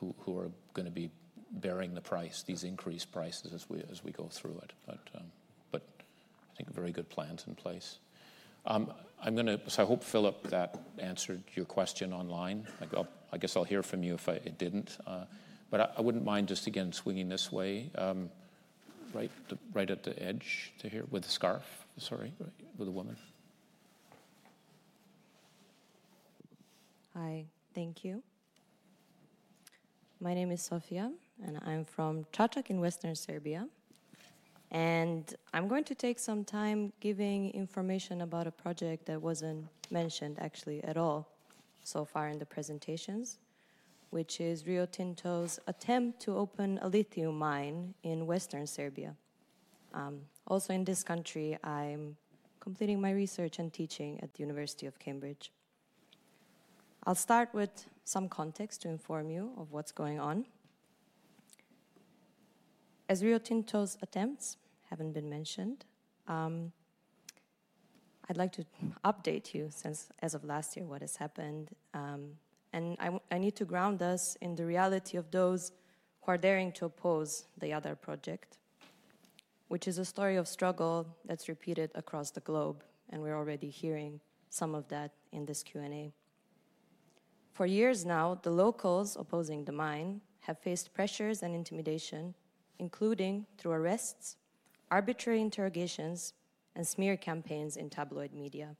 who are going to be bearing the price, these increased prices as we go through it. I think very good plans in place. I hope, Philip, that answered your question online. I guess I'll hear from you if it didn't. I wouldn't mind just, again, swinging this way, right at the edge to hear with the scarf, sorry, with the woman. Hi. Thank you. My name is Sofia, and I'm from Čačak in Western Serbia. I am going to take some time giving information about a project that was not mentioned, actually, at all so far in the presentations, which is Rio Tinto's attempt to open a lithium mine in Western Serbia. Also, in this country, I am completing my research and teaching at the University of Cambridge. I will start with some context to inform you of what is going on. As Rio Tinto's attempts have not been mentioned, I would like to update you since, as of last year, what has happened. I need to ground us in the reality of those who are daring to oppose the other project, which is a story of struggle that is repeated across the globe. We are already hearing some of that in this Q&A. For years now, the locals opposing the mine have faced pressures and intimidation, including through arrests, arbitrary interrogations, and smear campaigns in tabloid media.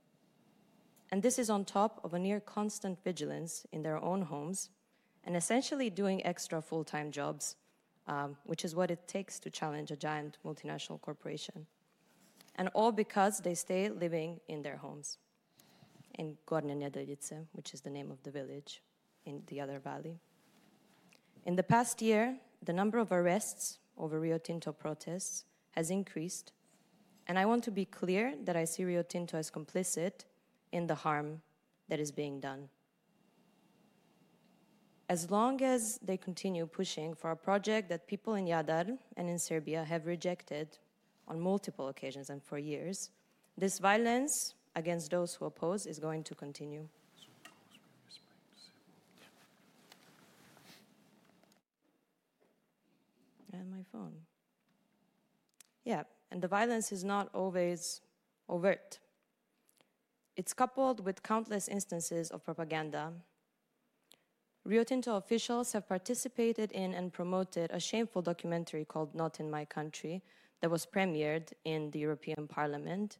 This is on top of a near constant vigilance in their own homes and essentially doing extra full-time jobs, which is what it takes to challenge a giant multinational corporation. All because they stay living in their homes in Gornje Nedeljice, which is the name of the village in the other valley. In the past year, the number of arrests over Rio Tinto protests has increased. I want to be clear that I see Rio Tinto as complicit in the harm that is being done. As long as they continue pushing for a project that people in Jadar and in Serbia have rejected on multiple occasions and for years, this violence against those who oppose is going to continue. My phone. Yeah. The violence is not always overt. It is coupled with countless instances of propaganda. Rio Tinto officials have participated in and promoted a shameful documentary called Not in My Country that was premiered in the European Parliament.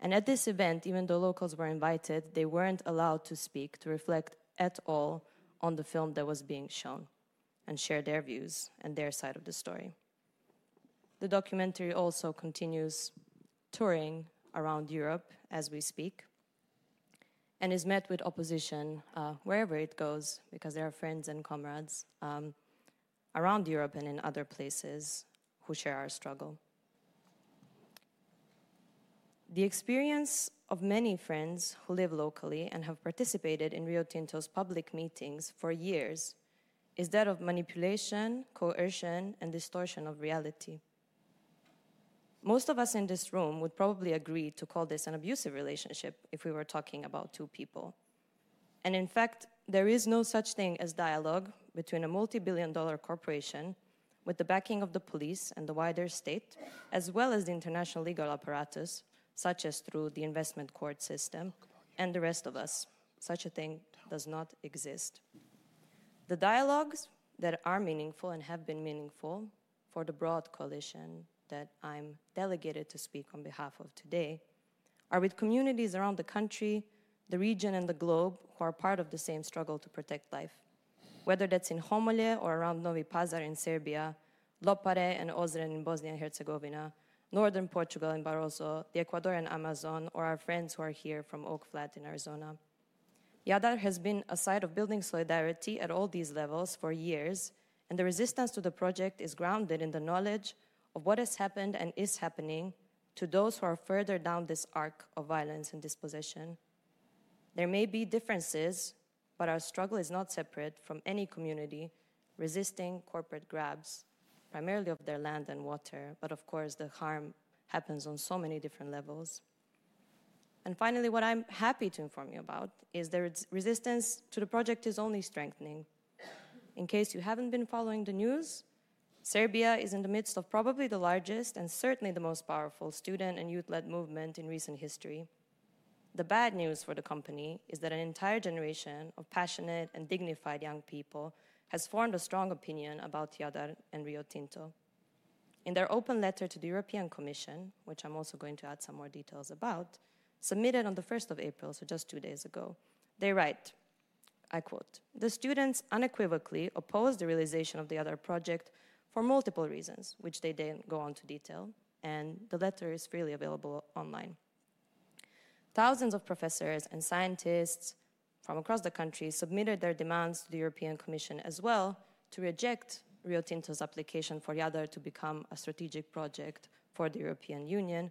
At this event, even though locals were invited, they were not allowed to speak to reflect at all on the film that was being shown and share their views and their side of the story. The documentary also continues touring around Europe as we speak and is met with opposition wherever it goes because there are friends and comrades around Europe and in other places who share our struggle. The experience of many friends who live locally and have participated in Rio Tinto's public meetings for years is that of manipulation, coercion, and distortion of reality. Most of us in this room would probably agree to call this an abusive relationship if we were talking about two people. In fact, there is no such thing as dialogue between a multi-billion dollar corporation with the backing of the police and the wider state, as well as the international legal apparatus, such as through the investment court system and the rest of us. Such a thing does not exist. The dialogues that are meaningful and have been meaningful for the broad coalition that I'm delegated to speak on behalf of today are with communities around the country, the region, and the globe who are part of the same struggle to protect life, whether that's in Homolje or around Novi Pazar in Serbia, Lopare and Ozren in Bosnia and Herzegovina, Northern Portugal in Barosso, the Ecuadorian Amazon, or our friends who are here from Oak Flat in Arizona. Jadar has been a site of building solidarity at all these levels for years, and the resistance to the project is grounded in the knowledge of what has happened and is happening to those who are further down this arc of violence and dispossession. There may be differences, but our struggle is not separate from any community resisting corporate grabs, primarily of their land and water. Of course, the harm happens on so many different levels. Finally, what I'm happy to inform you about is the resistance to the project is only strengthening. In case you haven't been following the news, Serbia is in the midst of probably the largest and certainly the most powerful student and youth-led movement in recent history. The bad news for the company is that an entire generation of passionate and dignified young people has formed a strong opinion about Jadar and Rio Tinto. In their open letter to the European Commission, which I'm also going to add some more details about, submitted on the 1st of April, so just two days ago, they write, I quote, "The students unequivocally oppose the realization of the Jadar project for multiple reasons," which they then go on to detail, and the letter is freely available online. Thousands of professors and scientists from across the country submitted their demands to the European Commission as well to reject Rio Tinto's application for Jadar to become a strategic project for the European Union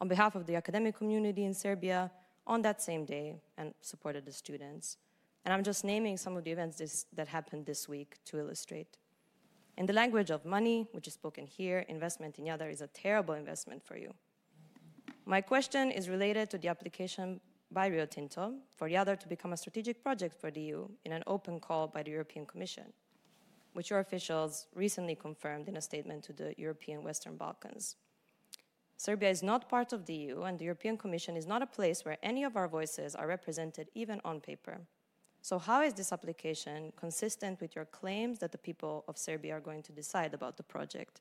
on behalf of the academic community in Serbia on that same day and supported the students. I am just naming some of the events that happened this week to illustrate. In the language of money, which is spoken here, investment in Jadar is a terrible investment for you. My question is related to the application by Rio Tinto for Jadar to become a strategic project for the EU in an open call by the European Commission, which your officials recently confirmed in a statement to the European Western Balkans. Serbia is not part of the EU, and the European Commission is not a place where any of our voices are represented, even on paper. How is this application consistent with your claims that the people of Serbia are going to decide about the project?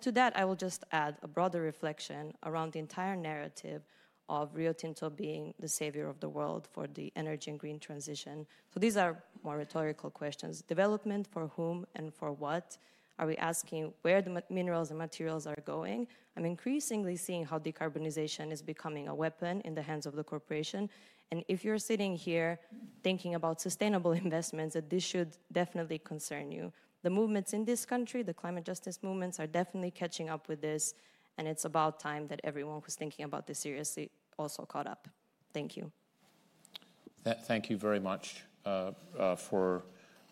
To that, I will just add a broader reflection around the entire narrative of Rio Tinto being the savior of the world for the energy and green transition. These are more rhetorical questions. Development for whom and for what? Are we asking where the minerals and materials are going? I'm increasingly seeing how decarbonization is becoming a weapon in the hands of the corporation. If you're sitting here thinking about sustainable investments, this should definitely concern you. The movements in this country, the climate justice movements, are definitely catching up with this. It's about time that everyone who's thinking about this seriously also caught up. Thank you. Thank you very much for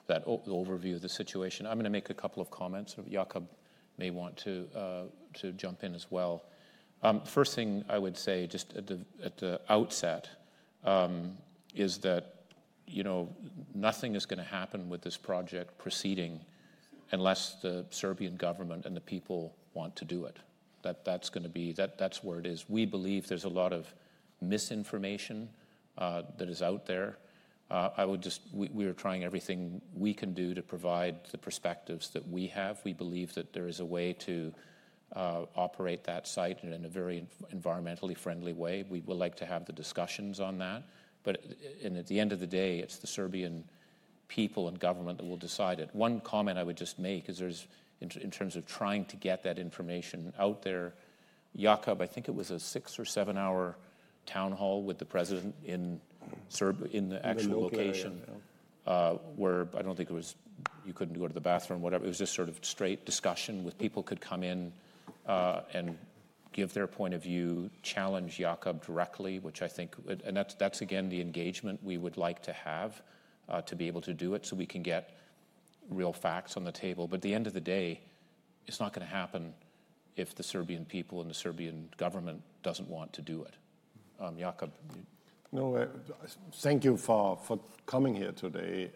that overview of the situation. I'm going to make a couple of comments. Jakob may want to jump in as well. The first thing I would say just at the outset is that nothing is going to happen with this project proceeding unless the Serbian government and the people want to do it. That's going to be that's where it is. We believe there's a lot of misinformation that is out there. We are trying everything we can do to provide the perspectives that we have. We believe that there is a way to operate that site in a very environmentally friendly way. We would like to have the discussions on that. At the end of the day, it's the Serbian people and government that will decide it. One comment I would just make is in terms of trying to get that information out there. Jakob, I think it was a six or seven-hour town hall with the president in the actual location where I don't think it was you couldn't go to the bathroom, whatever. It was just sort of straight discussion with people who could come in and give their point of view, challenge Jakob directly, which I think, and that's, again, the engagement we would like to have to be able to do it so we can get real facts on the table. At the end of the day, it's not going to happen if the Serbian people and the Serbian government don't want to do it. Jakob. No, thank you for coming here today.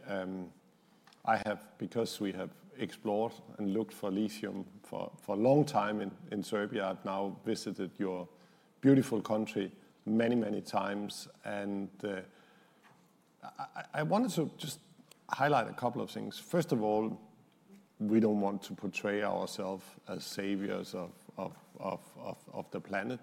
I have, because we have explored and looked for lithium for a long time in Serbia, I've now visited your beautiful country many, many times. I wanted to just highlight a couple of things. First of all, we don't want to portray ourselves as saviors of the planet.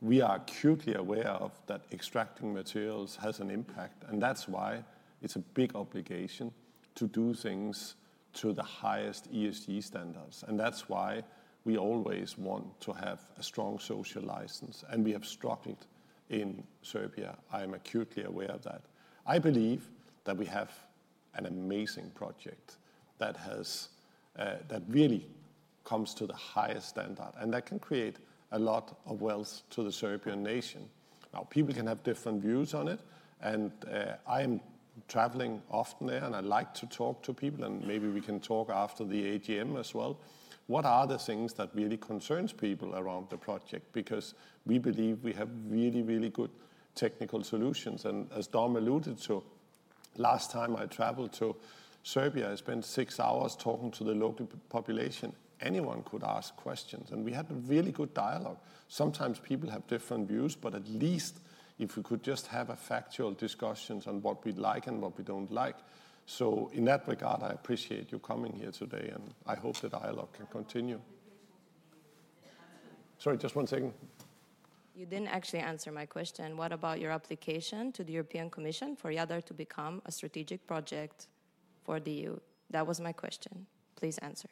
We are acutely aware that extracting materials has an impact. That is why it is a big obligation to do things to the highest ESG standards. That is why we always want to have a strong social license. We have struggled in Serbia. I am acutely aware of that. I believe that we have an amazing project that really comes to the highest standard and that can create a lot of wealth to the Serbian nation. Now, people can have different views on it. I am traveling often there, and I like to talk to people. Maybe we can talk after the AGM as well. What are the things that really concern people around the project? We believe we have really, really good technical solutions. As Dom alluded to, last time I traveled to Serbia, I spent six hours talking to the local population. Anyone could ask questions. We had a really good dialogue. Sometimes people have different views, but at least if we could just have factual discussions on what we like and what we don't like. In that regard, I appreciate you coming here today. I hope the dialogue can continue. Sorry, just one second. You didn't actually answer my question. What about your application to the European Commission for Jadar to become a strategic project for the EU? That was my question. Please answer.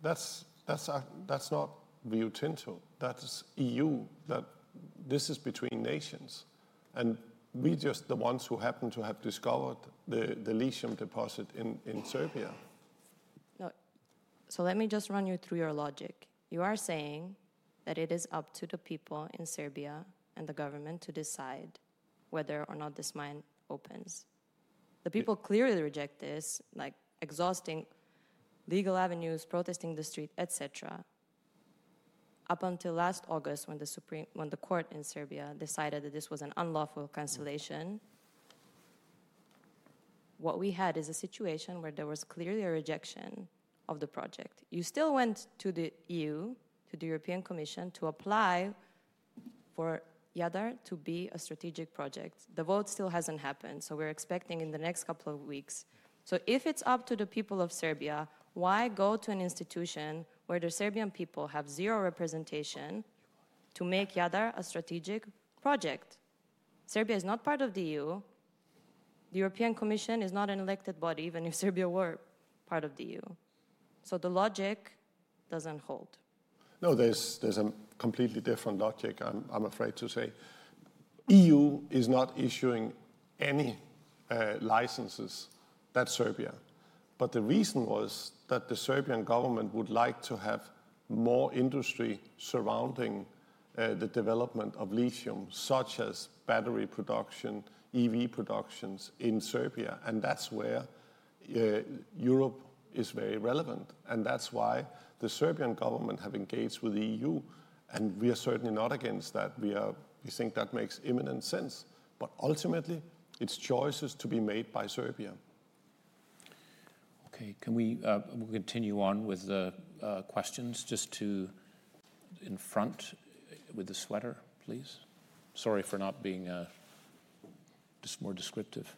That's not Rio Tinto. That's EU. This is between nations. We're just the ones who happen to have discovered the lithium deposit in Serbia. Let me just run you through your logic. You are saying that it is up to the people in Serbia and the government to decide whether or not this mine opens. The people clearly reject this, like exhausting legal avenues, protesting the street, et cetera, up until last August when the court in Serbia decided that this was an unlawful cancellation. What we had is a situation where there was clearly a rejection of the project. You still went to the EU, to the European Commission, to apply for Jadar to be a strategic project. The vote still hasn't happened. We are expecting in the next couple of weeks. If it is up to the people of Serbia, why go to an institution where the Serbian people have zero representation to make Jadar a strategic project? Serbia is not part of the EU. The European Commission is not an elected body, even if Serbia were part of the EU. The logic does not hold. No, there is a completely different logic, I am afraid to say. EU is not issuing any licenses at Serbia. The reason was that the Serbian government would like to have more industry surrounding the development of lithium, such as battery production, EV productions in Serbia. That is where Europe is very relevant. That is why the Serbian government has engaged with the EU. We are certainly not against that. We think that makes imminent sense. Ultimately, it is choices to be made by Serbia. Okay. Can we continue on with the questions just to in front with the sweater, please? Sorry for not being just more descriptive.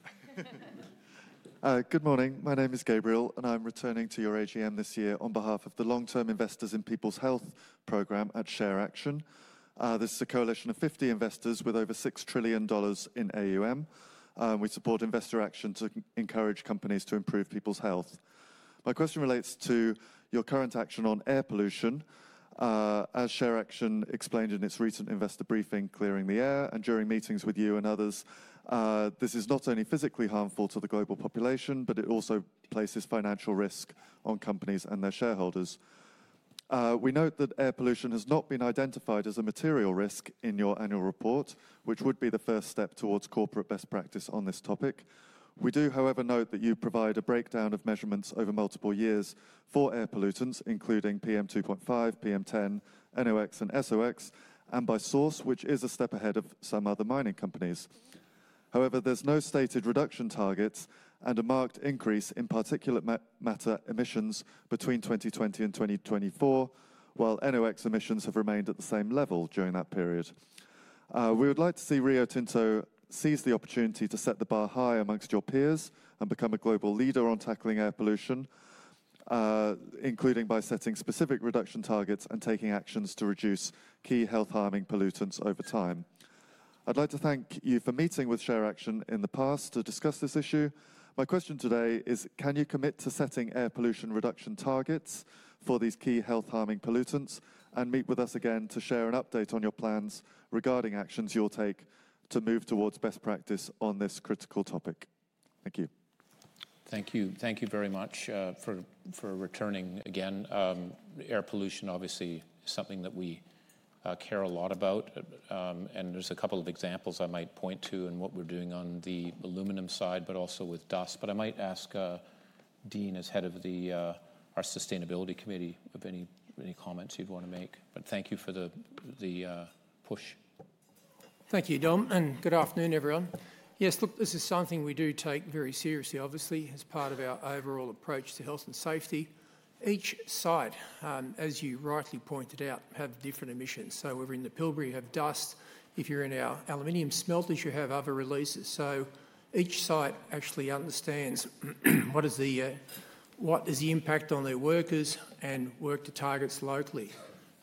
Good morning. My name is Gabriel, and I am returning to your AGM this year on behalf of the Long-Term Investors in People's Health Program at ShareAction. This is a coalition of 50 investors with over $6 trillion in AUM. We support investor action to encourage companies to improve people's health. My question relates to your current action on air pollution. As ShareAction explained in its recent investor briefing Clearing the Air and during meetings with you and others, this is not only physically harmful to the global population, but it also places financial risk on companies and their shareholders. We note that air pollution has not been identified as a material risk in your annual report, which would be the first step towards corporate best practice on this topic. We do, however, note that you provide a breakdown of measurements over multiple years for air pollutants, including PM2.5, PM10, NOx, and SOx, and by source, which is a step ahead of some other mining companies. However, there's no stated reduction targets and a marked increase in particulate matter emissions between 2020 and 2024, while NOx emissions have remained at the same level during that period. We would like to see Rio Tinto seize the opportunity to set the bar high amongst your peers and become a global leader on tackling air pollution, including by setting specific reduction targets and taking actions to reduce key health-harming pollutants over time. I'd like to thank you for meeting with ShareAction in the past to discuss this issue. My question today is, can you commit to setting air pollution reduction targets for these key health-harming pollutants and meet with us again to share an update on your plans regarding actions you'll take to move towards best practice on this critical topic? Thank you. Thank you. Thank you very much for returning again. Air pollution, obviously, is something that we care a lot about. There's a couple of examples I might point to and what we're doing on the aluminum side, but also with dust. But I might ask Dean, as head of our Sustainability Committee, if any comments you'd want to make. Thank you for the push. Thank you, Dom. Good afternoon, everyone. Yes, look, this is something we do take very seriously, obviously, as part of our overall approach to health and safety. Each site, as you rightly pointed out, has different emissions. If we're in the Pilbara, you have dust. If you're in our aluminum smelters, you have other releases. Each site actually understands what is the impact on their workers and work to targets locally.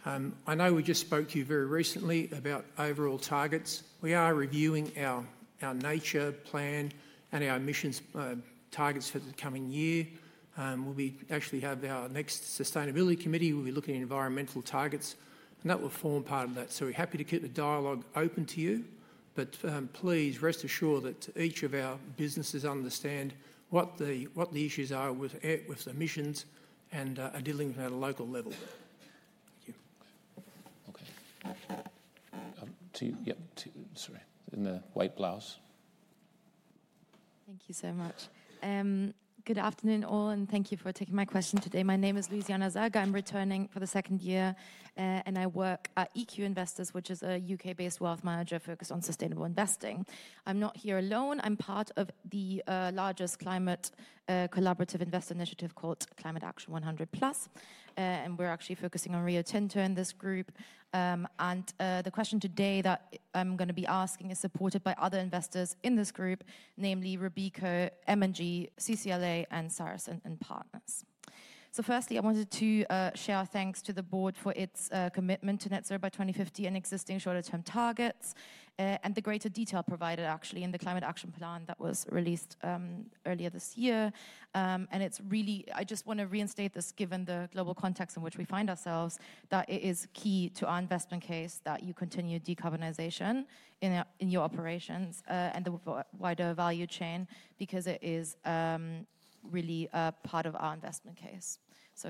I know we just spoke to you very recently about overall targets. We are reviewing our nature plan and our emissions targets for the coming year. We actually have our next Sustainability Committee. We'll be looking at environmental targets, and that will form part of that. We're happy to keep the dialogue open to you. Please rest assured that each of our businesses understand what the issues are with emissions and are dealing with them at a local level. Thank you. Okay. Yep. Sorry. In the white blouse. Thank you so much. Good afternoon, all, and thank you for taking my question today. My name is Louisiana Salge. I'm returning for the second year, and I work at EQ Investors, which is a U.K.-based wealth manager focused on sustainable investing. I'm not here alone. I'm part of the largest climate collaborative investor initiative called Climate Action 100+. We're actually focusing on Rio Tinto in this group. The question today that I'm going to be asking is supported by other investors in this group, namely Robeco, M&G, CCLA, and Sarasin & Partners. Firstly, I wanted to share thanks to the board for its commitment to net zero by 2050 and existing shorter-term targets and the greater detail provided, actually, in the climate action plan that was released earlier this year. I just want to reinstate this, given the global context in which we find ourselves, that it is key to our investment case that you continue decarbonization in your operations and the wider value chain because it is really part of our investment case.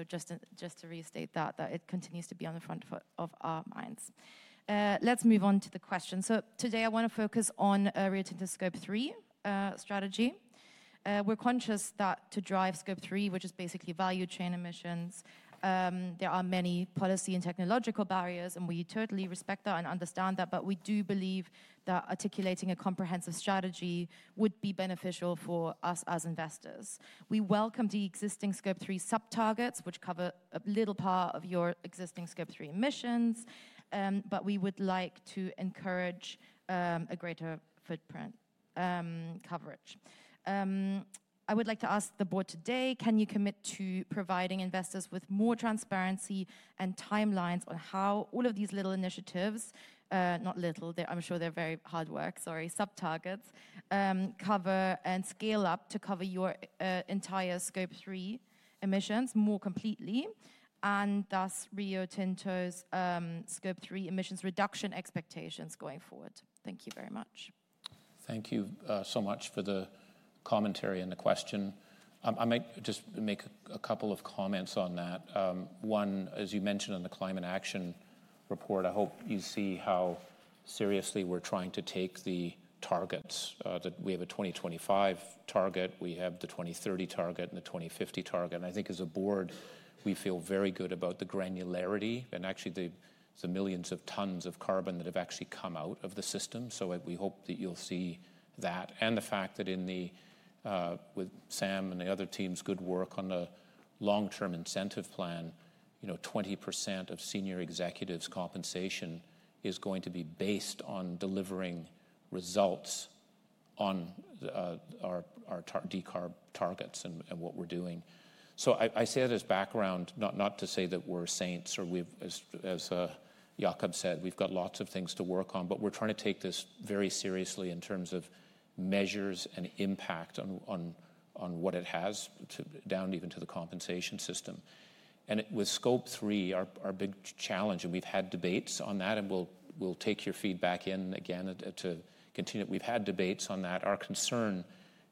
Just to reinstate that, that it continues to be on the front of our minds. Let's move on to the question. Today, I want to focus on Rio Tinto's scope 3 strategy. We're conscious that to drive scope 3, which is basically value chain emissions, there are many policy and technological barriers, and we totally respect that and understand that. We do believe that articulating a comprehensive strategy would be beneficial for us as investors. We welcome the existing scope three sub-targets, which cover a little part of your existing scope three emissions, but we would like to encourage a greater footprint coverage. I would like to ask the board today, can you commit to providing investors with more transparency and timelines on how all of these little initiatives—not little, I'm sure they're very hard work, sorry—sub-targets cover and scale up to cover your entire scope three emissions more completely and thus Rio Tinto's scope three emissions reduction expectations going forward? Thank you very much. Thank you so much for the commentary and the question. I might just make a couple of comments on that. One, as you mentioned on the climate action report, I hope you see how seriously we're trying to take the targets. We have a 2025 target. We have the 2030 target and the 2050 target. I think as a board, we feel very good about the granularity and actually the millions of tons of carbon that have actually come out of the system. We hope that you'll see that. The fact that with Sam and the other team's good work on the long-term incentive plan, 20% of senior executives' compensation is going to be based on delivering results on our decarb targets and what we're doing. I say that as background, not to say that we're saints or, as Jakob said, we've got lots of things to work on, but we're trying to take this very seriously in terms of measures and impact on what it has down even to the compensation system. With scope three, our big challenge, and we've had debates on that, and we'll take your feedback in again to continue. We've had debates on that. Our concern,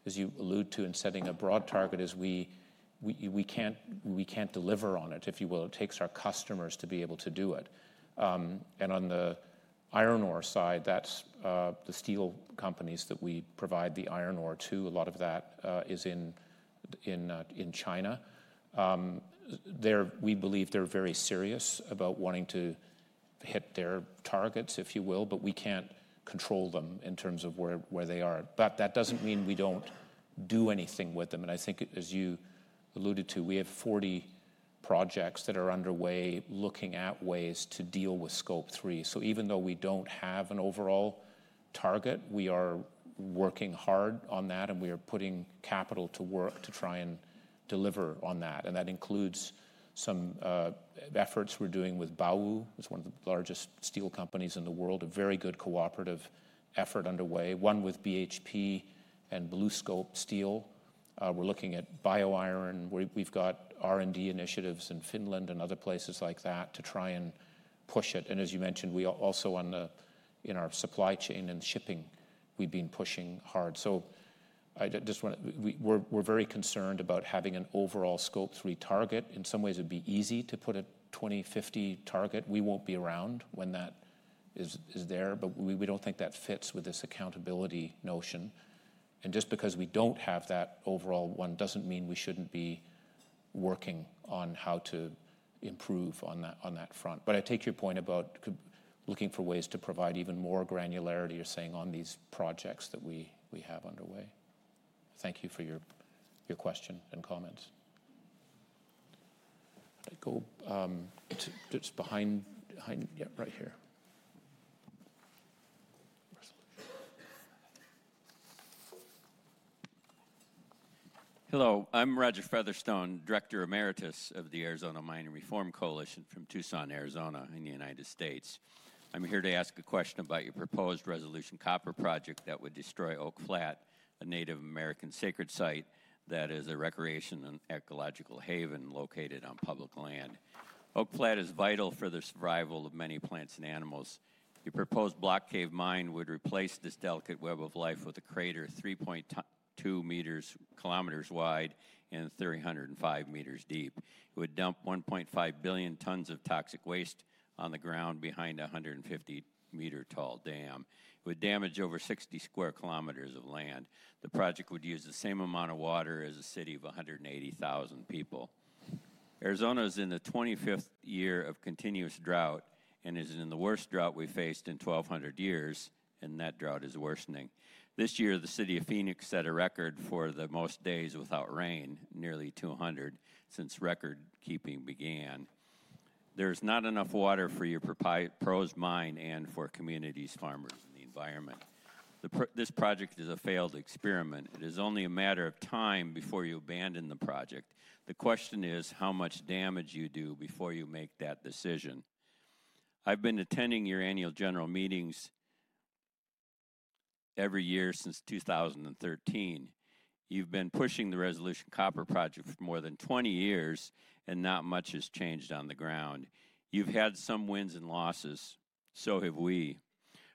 as you alluded to in setting a broad target, is we can't deliver on it, if you will. It takes our customers to be able to do it. On the iron ore side, that's the steel companies that we provide the iron ore to. A lot of that is in China. We believe they're very serious about wanting to hit their targets, if you will, but we can't control them in terms of where they are. That doesn't mean we don't do anything with them. I think, as you alluded to, we have 40 projects that are underway, looking at ways to deal with scope three. Even though we don't have an overall target, we are working hard on that, and we are putting capital to work to try and deliver on that. That includes some efforts we're doing with Baowu, which is one of the largest steel companies in the world, a very good cooperative effort underway, one with BHP and BlueScope Steel. We're looking at bio iron. We've got R&D initiatives in Finland and other places like that to try and push it. As you mentioned, we also in our supply chain and shipping, we've been pushing hard. I just want to say we're very concerned about having an overall scope 3 target. In some ways, it'd be easy to put a 2050 target. We won't be around when that is there, but we don't think that fits with this accountability notion. Just because we do not have that overall ,one does not mean we should not be working on how to improve on that front. I take your point about looking for ways to provide even more granularity, you are saying, on these projects that we have underway. Thank you for your question and comments. I go to it is behind, yeah, right here. Hello. I am Roger Featherstone, Director Emeritus of the Arizona Mining Reform Coalition from Tucson, Arizona, in the United States. I am here to ask a question about your proposed Resolution Copper project that would destroy Oak Flat, a Native American sacred site that is a recreation and ecological haven located on public land. Oak Flat is vital for the survival of many plants and animals. Your proposed block cave mine would replace this delicate web of life with a crater 3.2 km wide and 305 m deep. It would dump 1.5 billion tons of toxic waste on the ground behind a 150-meter-tall dam. It would damage over 60 sq km of land. The project would use the same amount of water as a city of 180,000 people. Arizona is in the 25th year of continuous drought and is in the worst drought we faced in 1,200 years, and that drought is worsening. This year, the city of Phoenix set a record for the most days without rain, nearly 200, since record-keeping began. There is not enough water for your proposed mine and for communities, farmers, and the environment. This project is a failed experiment. It is only a matter of time before you abandon the project. The question is how much damage you do before you make that decision. I've been attending your annual general meetings every year since 2013. You've been pushing the Resolution Copper project for more than 20 years, and not much has changed on the ground. You've had some wins and losses. So have we.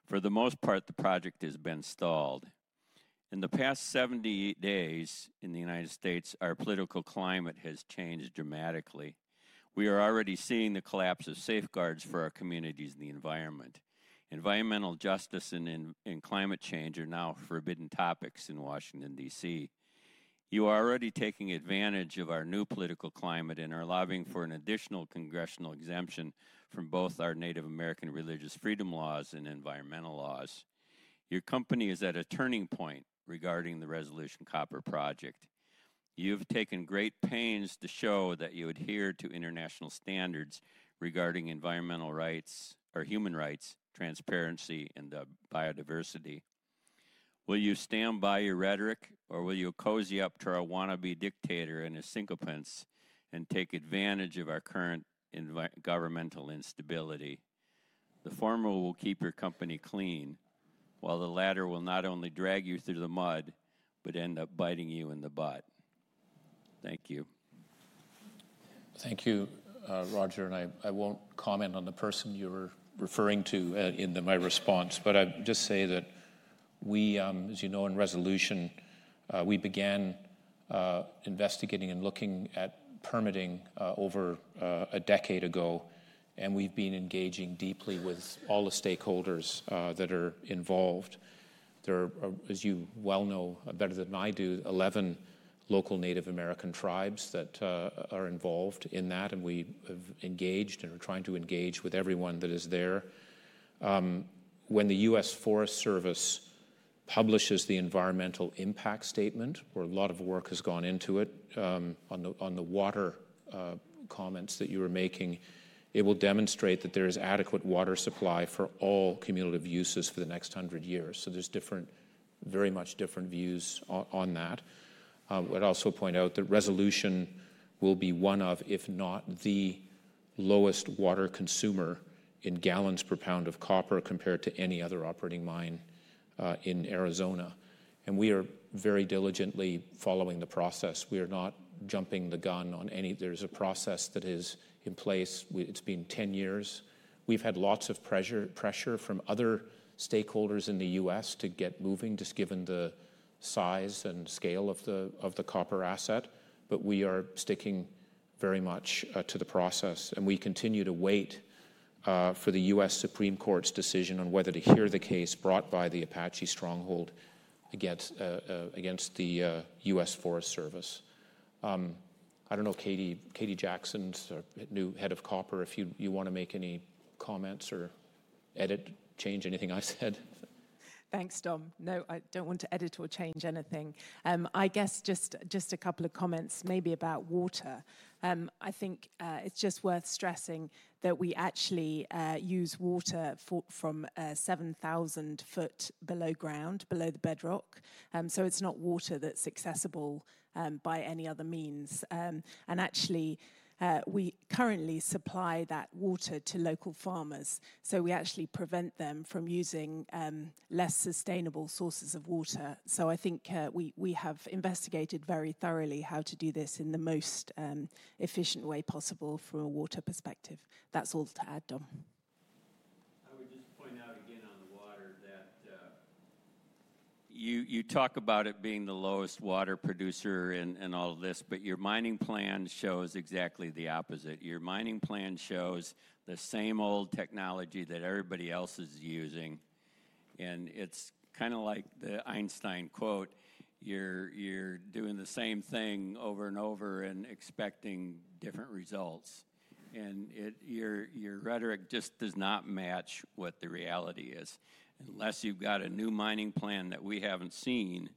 For the most part, the project has been stalled. In the past 78 days in the United States, our political climate has changed dramatically. We are already seeing the collapse of safeguards for our communities and the environment. Environmental justice and climate change are now forbidden topics in Washington, D.C. You are already taking advantage of our new political climate and are lobbying for an additional congressional exemption from both our Native American religious freedom laws and environmental laws. Your company is at a turning point regarding the Resolution Copper project. You have taken great pains to show that you adhere to international standards regarding environmental rights or human rights, transparency, and biodiversity. Will you stand by your rhetoric, or will you cozy up to our wannabe dictator and his sycophants and take advantage of our current governmental instability? The former will keep your company clean, while the latter will not only drag you through the mud, but end up biting you in the butt. Thank you. Thank you, Roger. I will not comment on the person you were referring to in my response, but I just say that we, as you know, in Resolution, we began investigating and looking at permitting over a decade ago, and we have been engaging deeply with all the stakeholders that are involved. There are, as you well know better than I do, 11 local Native American tribes that are involved in that, and we have engaged and are trying to engage with everyone that is there. When the U.S. Forest Service publishes the environmental impact statement, where a lot of work has gone into it on the water comments that you were making, it will demonstrate that there is adequate water supply for all cumulative uses for the next 100 years. There are different, very much different views on that. I'd also point out that Resolution will be one of, if not the lowest water consumer in gallons per pound of copper compared to any other operating mine in Arizona. We are very diligently following the process. We are not jumping the gun on any. There is a process that is in place. It's been 10 years. We've had lots of pressure from other stakeholders in the U.S. to get moving, just given the size and scale of the copper asset, but we are sticking very much to the process. We continue to wait for the U.S. Supreme Court's decision on whether to hear the case brought by the Apache Stronghold against the U.S. Forest Service. I don't know, Katie Jackson's new head of copper, if you want to make any comments or edit, change anything I said. Thanks, Dom. No, I don't want to edit or change anything. I guess just a couple of comments maybe about water. I think it's just worth stressing that we actually use water from 7,000 feet below ground, below the bedrock. It's not water that's accessible by any other means. Actually, we currently supply that water to local farmers. We actually prevent them from using less sustainable sources of water. I think we have investigated very thoroughly how to do this in the most efficient way possible from a water perspective. That's all to add, Dom. I would just point out again on the water that you talk about it being the lowest water producer and all of this, but your mining plan shows exactly the opposite. Your mining plan shows the same old technology that everybody else is using. It is kind of like the Einstein quote. You are doing the same thing over and over and expecting different results. Your rhetoric just does not match what the reality is. Unless you have got a new mining plan that we have not seen,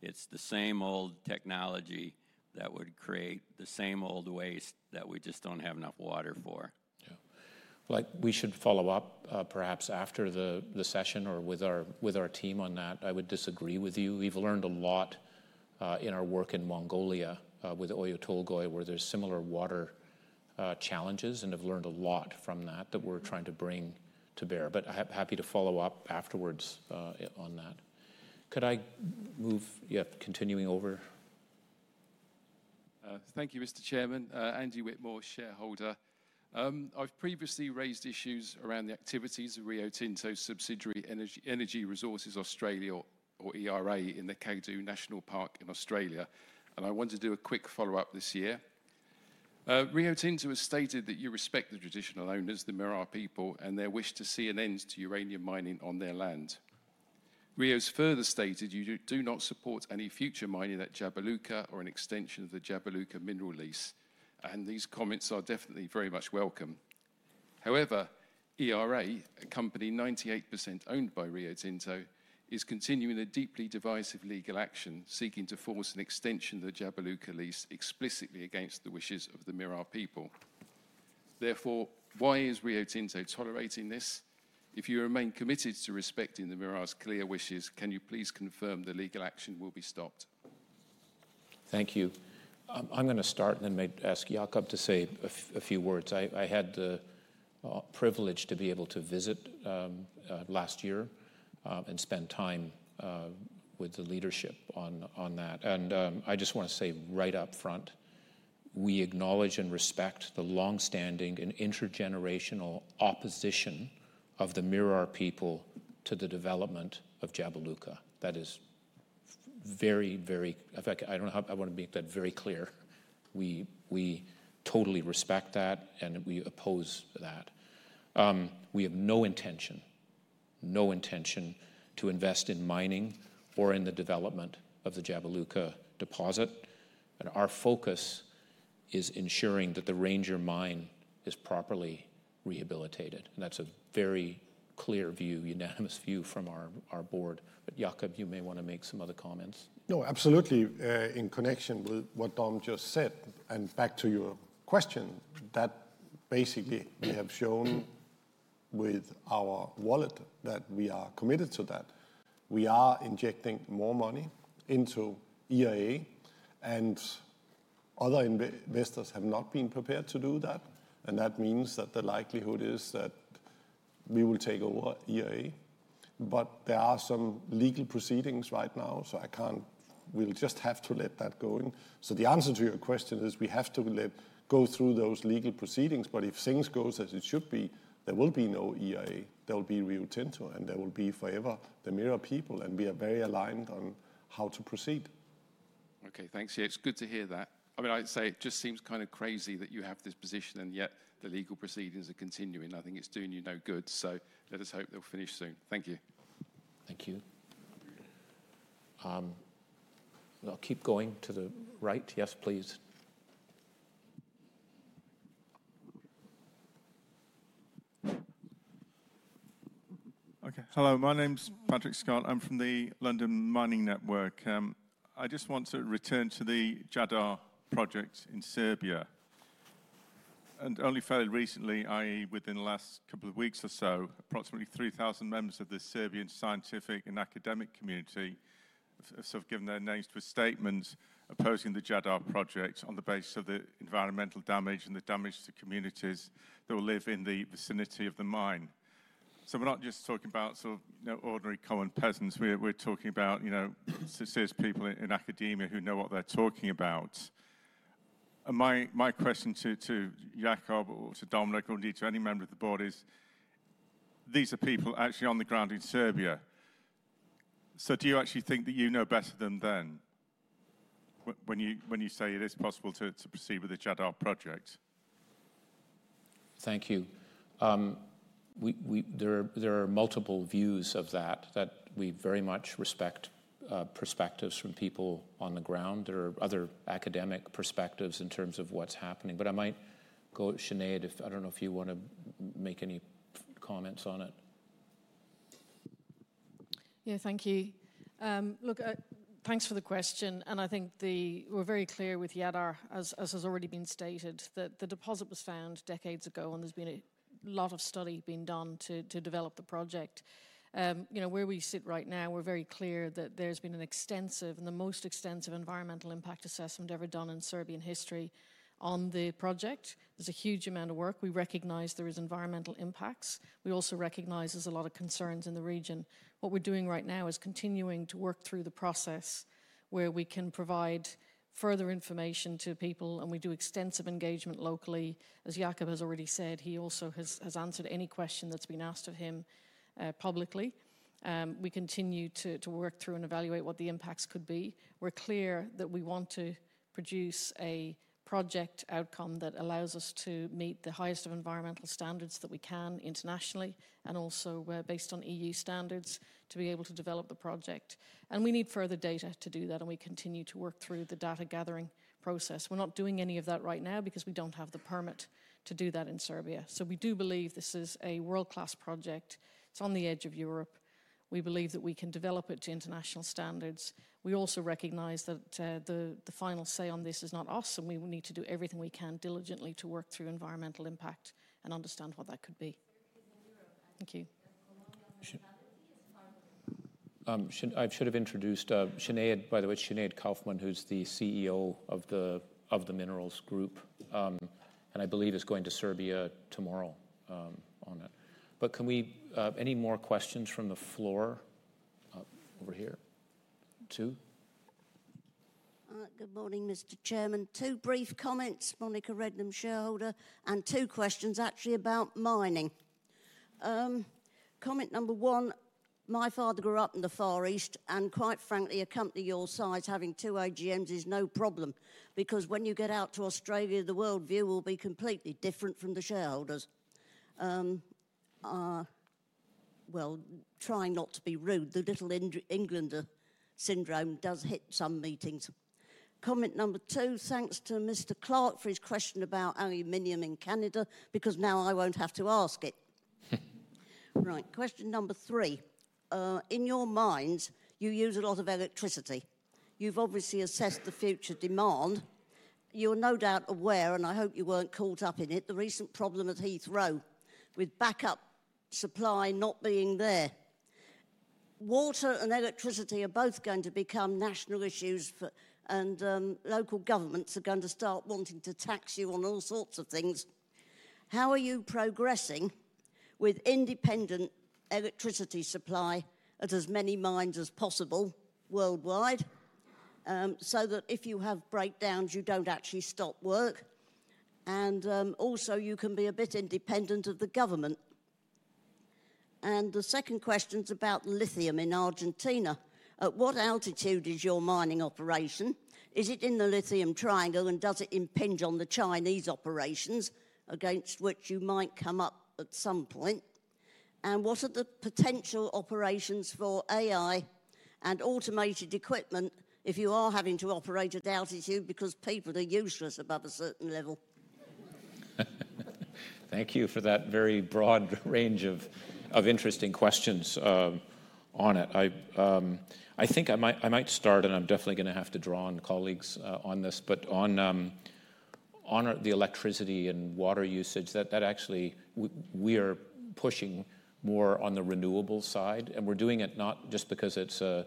it is the same old technology that would create the same old waste that we just do not have enough water for. Yeah. We should follow up perhaps after the session or with our team on that. I would disagree with you. We've learned a lot in our work in Mongolia with Oyu Tolgoi, where there's similar water challenges, and have learned a lot from that that we're trying to bring to bear. I'm happy to follow up afterwards on that. Could I move, yeah, continuing over? Thank you, Mr. Chairman. Andy Whitmore, shareholder. I've previously raised issues around the activities of Rio Tinto's subsidiary Energy Resources Australia, or ERA, in the Kakadu National Park in Australia. I want to do a quick follow-up this year. Rio Tinto has stated that you respect the traditional owners, the Mirarr people, and their wish to see an end to uranium mining on their land. Rio has further stated you do not support any future mining at Jabiluka or an extension of the Jabiluka mineral lease. These comments are definitely very much welcome. However, ERA, a company 98% owned by Rio Tinto, is continuing a deeply divisive legal action seeking to force an extension of the Jabiluka lease explicitly against the wishes of the Mirarr people. Therefore, why is Rio Tinto tolerating this? If you remain committed to respecting the Mirarr's clear wishes, can you please confirm the legal action will be stopped? Thank you. I'm going to start and then may ask Jakob to say a few words. I had the privilege to be able to visit last year and spend time with the leadership on that. I just want to say right up front, we acknowledge and respect the longstanding and intergenerational opposition of the Mirarr people to the development of Jabiluka. That is very, very—I don't know how I want to make that very clear. We totally respect that, and we oppose that. We have no intention, no intention to invest in mining or in the development of the Jabaluca deposit. Our focus is ensuring that the Ranger mine is properly rehabilitated. That is a very clear view, unanimous view from our board. Jakob, you may want to make some other comments. No, absolutely. In connection with what Dom just said, and back to your question, we have shown with our wallet that we are committed to that. We are injecting more money into ERA, and other investors have not been prepared to do that. That means the likelihood is that we will take over ERA. There are some legal proceedings right now, so I cannot—we just have to let that go in. The answer to your question is we have to let go through those legal proceedings. If things go as it should be, there will be no ERA. There will be Rio Tinto, and there will be forever the Mirra people. We are very aligned on how to proceed. Okay, thanks. Yeah, it's good to hear that. I mean, I'd say it just seems kind of crazy that you have this position, and yet the legal proceedings are continuing. I think it's doing you no good. Let us hope they'll finish soon. Thank you. Thank you. I'll keep going to the right. Yes, please. Okay. Hello. My name's Patrick Scott. I'm from the London Mining Network. I just want to return to the Jadar project in Serbia. Only fairly recently, i.e., within the last couple of weeks or so, approximately 3,000 members of the Serbian scientific and academic community have sort of given their names to a statement opposing the Jadar project on the basis of the environmental damage and the damage to communities that will live in the vicinity of the mine. We're not just talking about sort of ordinary common peasants. We're talking about, you know, serious people in academia who know what they're talking about. My question to Jakob or to Dom, or to any member of the board is, these are people actually on the ground in Serbia. Do you actually think that you know better than them when you say it is possible to proceed with the Jadar project? Thank you. There are multiple views of that, that we very much respect perspectives from people on the ground. There are other academic perspectives in terms of what's happening. I might go at Sinead if I don't know if you want to make any comments on it. Yeah, thank you. Look, thanks for the question. I think we're very clear with Jadar, as has already been stated, that the deposit was found decades ago, and there's been a lot of study being done to develop the project. You know, where we sit right now, we're very clear that there's been an extensive, and the most extensive environmental impact assessment ever done in Serbian history on the project. There's a huge amount of work. We recognize there are environmental impacts. We also recognize there's a lot of concerns in the region. What we're doing right now is continuing to work through the process where we can provide further information to people, and we do extensive engagement locally. As Jakob has already said, he also has answered any question that's been asked of him publicly. We continue to work through and evaluate what the impacts could be. We're clear that we want to produce a project outcome that allows us to meet the highest of environmental standards that we can internationally, and also based on EU standards, to be able to develop the project. We need further data to do that, and we continue to work through the data gathering process. We're not doing any of that right now because we don't have the permit to do that in Serbia. We do believe this is a world-class project. It's on the edge of Europe. We believe that we can develop it to international standards. We also recognize that the final say on this is not us, and we need to do everything we can diligently to work through environmental impact and understand what that could be. Thank you. I should have introduced Sinead, by the way, Sinead Kaufman, who's the CEO of the Minerals Group, and I believe is going to Serbia tomorrow on it. Can we have any more questions from the floor over here? Two? Good morning, Mr. Chairman. Two brief comments, Monica Rednum, shareholder, and two questions actually about mining. Comment number one, my father grew up in the Far East, and quite frankly, a company your size having two AGMs is no problem because when you get out to Australia, the worldview will be completely different from the shareholders. Trying not to be rude, the little Englander syndrome does hit some meetings. Comment number two, thanks to Mr.Clark for his question about aluminum in Canada because now I won't have to ask it. Right, question number three. In your mines, you use a lot of electricity. You've obviously assessed the future demand. You're no doubt aware, and I hope you weren't caught up in it, the recent problem at Heathrow with backup supply not being there. Water and electricity are both going to become national issues, and local governments are going to start wanting to tax you on all sorts of things. How are you progressing with independent electricity supply at as many mines as possible worldwide so that if you have breakdowns, you don't actually stop work? Also, you can be a bit independent of the government. The second question is about lithium in Argentina. At what altitude is your mining operation? Is it in the Lithium Triangle, and does it impinge on the Chinese operations against which you might come up at some point? What are the potential operations for AI and automated equipment if you are having to operate at altitude because people are useless above a certain level? Thank you for that very broad range of interesting questions on it. I think I might start, and I'm definitely going to have to draw on colleagues on this. On the electricity and water usage, actually we are pushing more on the renewable side. We're doing it not just because it's the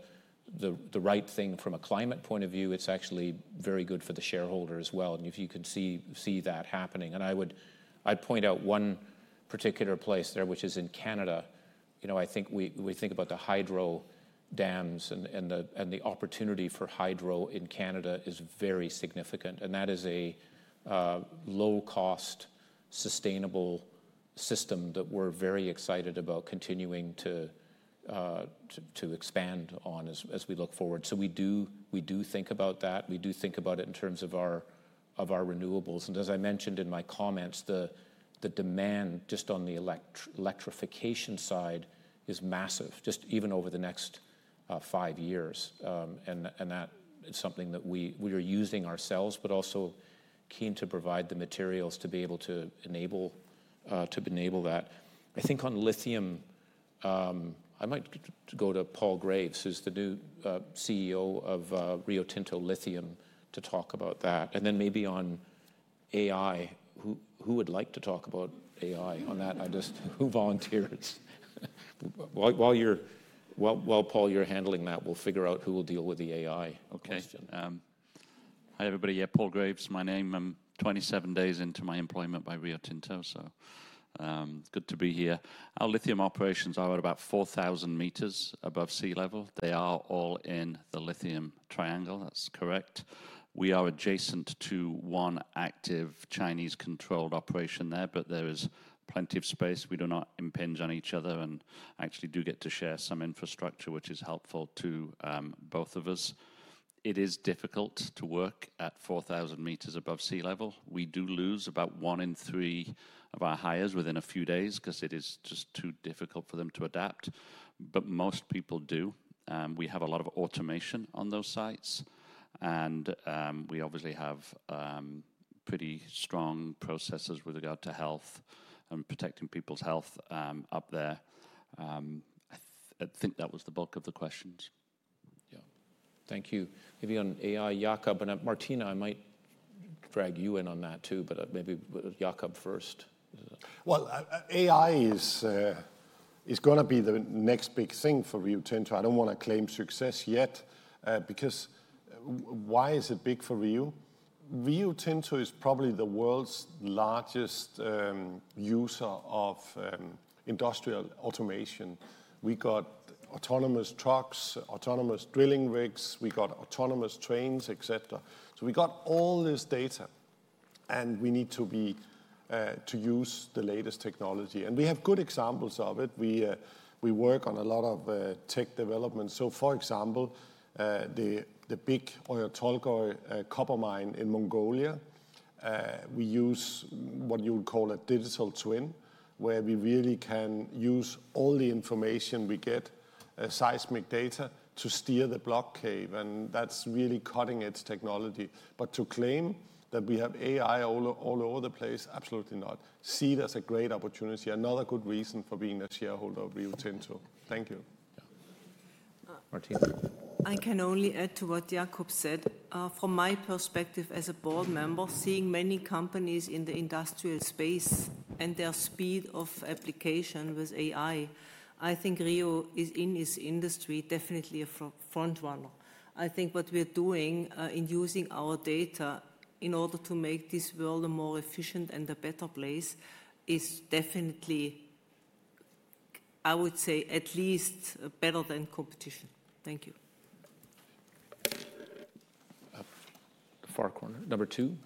right thing from a climate point of view, it's actually very good for the shareholder as well. If you can see that happening. I would point out one particular place there, which is in Canada. You know, I think we think about the hydro dams and the opportunity for hydro in Canada is very significant. That is a low-cost, sustainable system that we're very excited about continuing to expand on as we look forward. We do think about that. We do think about it in terms of our renewables. As I mentioned in my comments, the demand just on the electrification side is massive, just even over the next five years. That is something that we are using ourselves, but also keen to provide the materials to be able to enable that. I think on lithium, I might go to Paul Graves, who's the new CEO of Rio Tinto Lithium, to talk about that. Then maybe on AI, who would like to talk about AI? On that, I just, who volunteers? While you're, while Paul, you're handling that, we'll figure out who will deal with the AI question. Hi everybody. Yeah, Paul Graves my name. I'm 27 days into my employment by Rio Tinto, so good to be here. Our lithium operations are at about 4,000 meters above sea level. They are all in the Lithium Triangle. That's correct. We are adjacent to one active Chinese-controlled operation there, but there is plenty of space. We do not impinge on each other and actually do get to share some infrastructure, which is helpful to both of us. It is difficult to work at 4,000 meters above sea level. We do lose about one in three of our hires within a few days because it is just too difficult for them to adapt. Most people do. We have a lot of automation on those sites. We obviously have pretty strong processes with regard to health and protecting people's health up there. I think that was the bulk of the questions. Yeah. Thank you. Maybe on AI, Jakob, and Martina, I might drag you in on that too, but maybe Jakob first. AI is going to be the next big thing for Rio Tinto. I do not want to claim success yet because why is it big for Rio? Rio Tinto is probably the world's largest user of industrial automation. We got autonomous trucks, autonomous drilling rigs, we got autonomous trains, etc. We got all this data, and we need to use the latest technology. We have good examples of it. We work on a lot of tech development. For example, the big Oyu Tolgoi copper mine in Mongolia, we use what you would call a digital twin, where we really can use all the information we get, seismic data, to steer the block cave. That's really cutting-edge technology. To claim that we have AI all over the place, absolutely not. See it as a great opportunity, another good reason for being a shareholder of Rio Tinto. Thank you. Yeah. Martina. I can only add to what Jakob said. From my perspective as a board member, seeing many companies in the industrial space and their speed of application with AI, I think Rio is in this industry definitely a front-runner. I think what we're doing in using our data in order to make this world a more efficient and a better place is definitely, I would say, at least better than competition. Thank you. Far corner. Number two.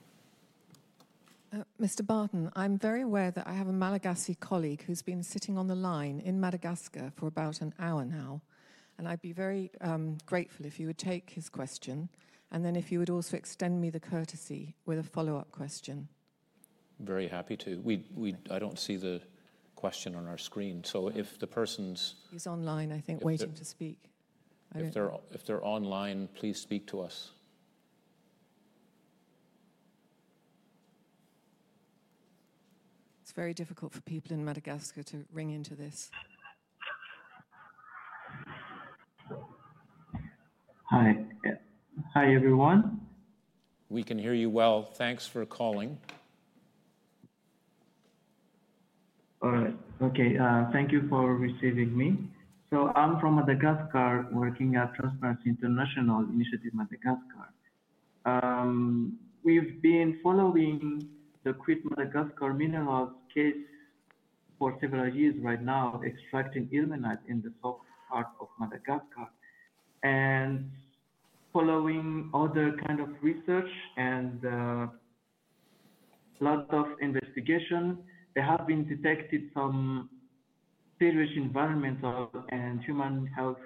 Mr. Barton, I'm very aware that I have a Malagasy colleague who's been sitting on the line in Madagascar for about an hour now. I'd be very grateful if you would take his question and then if you would also extend me the courtesy with a follow-up question. Very happy to. I don't see the question on our screen. He is online, I think, waiting to speak. If they're online, please speak to us. It's very difficult for people in Madagascar to ring into this. Hi. Hi everyone. We can hear you well. Thanks for calling. All right. Okay. Thank you for receiving me. I'm from Madagascar, working at Transparency International Initiative Madagascar. We've been following the QIT Madagascar Minerals case for several years right now, extracting ilmenite in the south part of Madagascar. Following other kinds of research and a lot of investigation, there have been detected some serious environmental and human health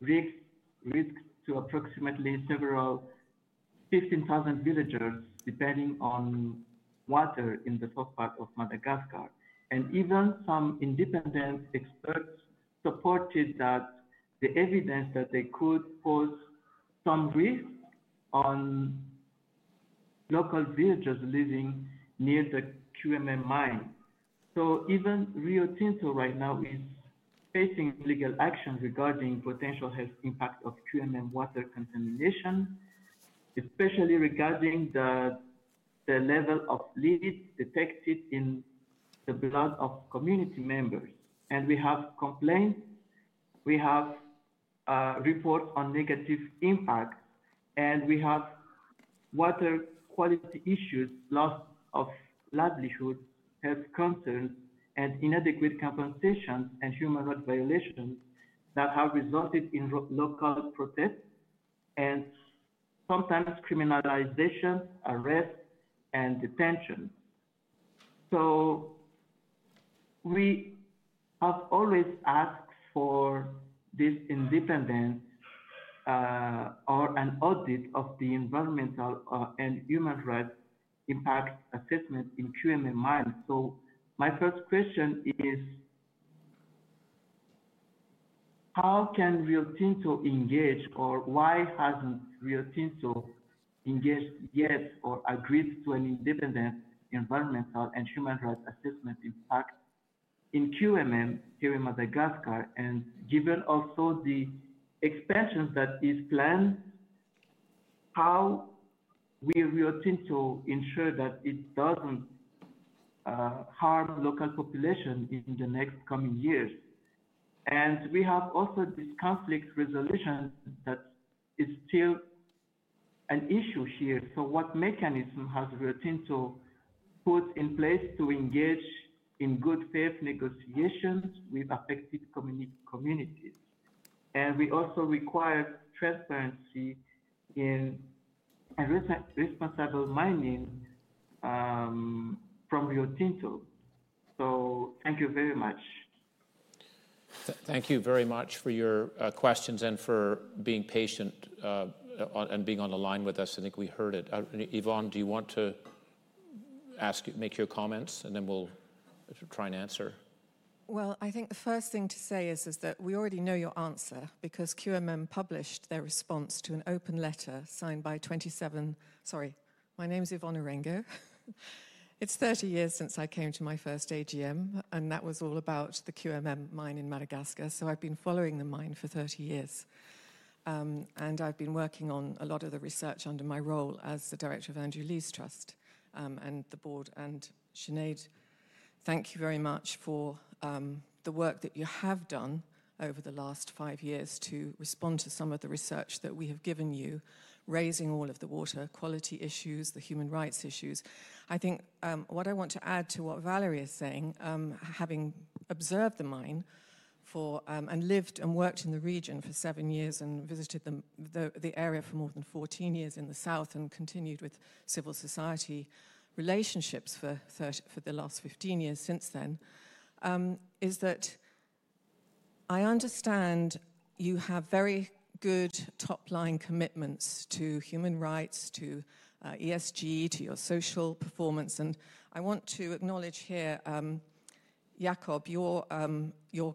risks to approximately several 15,000 villagers, depending on water in the south part of Madagascar. Even some independent experts supported that the evidence that they could pose some risk on local villagers living near the QMM mine. Even Rio Tinto right now is facing legal action regarding potential health impact of QMM water contamination, especially regarding the level of lead detected in the blood of community members. We have complaints. We have reports on negative impacts. We have water quality issues, loss of livelihood, health concerns, and inadequate compensation and human rights violations that have resulted in local protests and sometimes criminalization, arrest, and detention. We have always asked for this independence or an audit of the environmental and human rights impact assessment in QMM mines. My first question is, how can Rio Tinto engage or why hasn't Rio Tinto engaged yet or agreed to an independent environmental and human rights assessment impact in QMM here in Madagascar? Given also the expansion that is planned, how will Rio Tinto ensure that it doesn't harm local population in the next coming years? We have also this conflict resolution that is still an issue here. What mechanism has Rio Tinto put in place to engage in good faith negotiations with affected communities? We also require transparency in responsible mining from Rio Tinto. Thank you very much. Thank you very much for your questions and for being patient and being on the line with us. I think we heard it. Yvonne, do you want to ask, make your comments, and then we'll try and answer? I think the first thing to say is that we already know your answer because QMM published their response to an open letter signed by 27, sorry, my name is Yvonne Orengo. It is 30 years since I came to my first AGM, and that was all about the QMM mine in Madagascar. I have been following the mine for 30 years. I have been working on a lot of the research under my role as the director of Andrew Lees Trust and the board. Sinead, thank you very much for the work that you have done over the last five years to respond to some of the research that we have given you, raising all of the water quality issues, the human rights issues. I think what I want to add to what Valéry is saying, having observed the mine and lived and worked in the region for seven years and visited the area for more than 14 years in the south and continued with civil society relationships for the last 15 years since then, is that I understand you have very good top-line commitments to human rights, to ESG, to your social performance. I want to acknowledge here, Jakob, your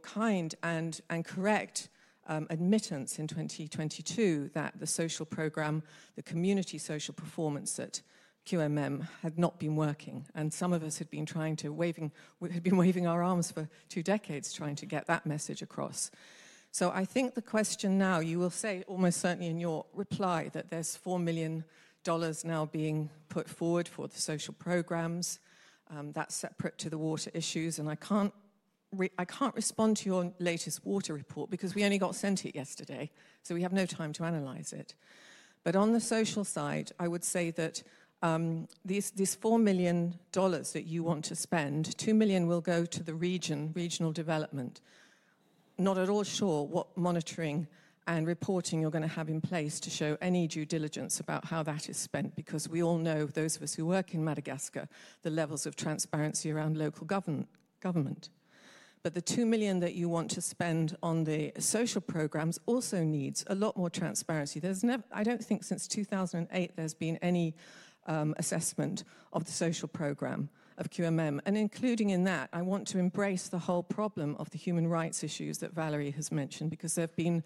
kind and correct admittance in 2022 that the social program, the community social performance at QMM had not been working. Some of us had been trying to, waving, had been waving our arms for two decades trying to get that message across. I think the question now, you will say almost certainly in your reply that there's $4 million now being put forward for the social programs that's separate to the water issues. I can't respond to your latest water report because we only got sent it yesterday, so we have no time to analyze it. On the social side, I would say that these $4 million that you want to spend, $2 million will go to the region, regional development. Not at all sure what monitoring and reporting you're going to have in place to show any due diligence about how that is spent because we all know, those of us who work in Madagascar, the levels of transparency around local government. The $2 million that you want to spend on the social programs also needs a lot more transparency. I don't think since 2008 there's been any assessment of the social program of QMM. Including in that, I want to embrace the whole problem of the human rights issues that Valéry has mentioned because there have been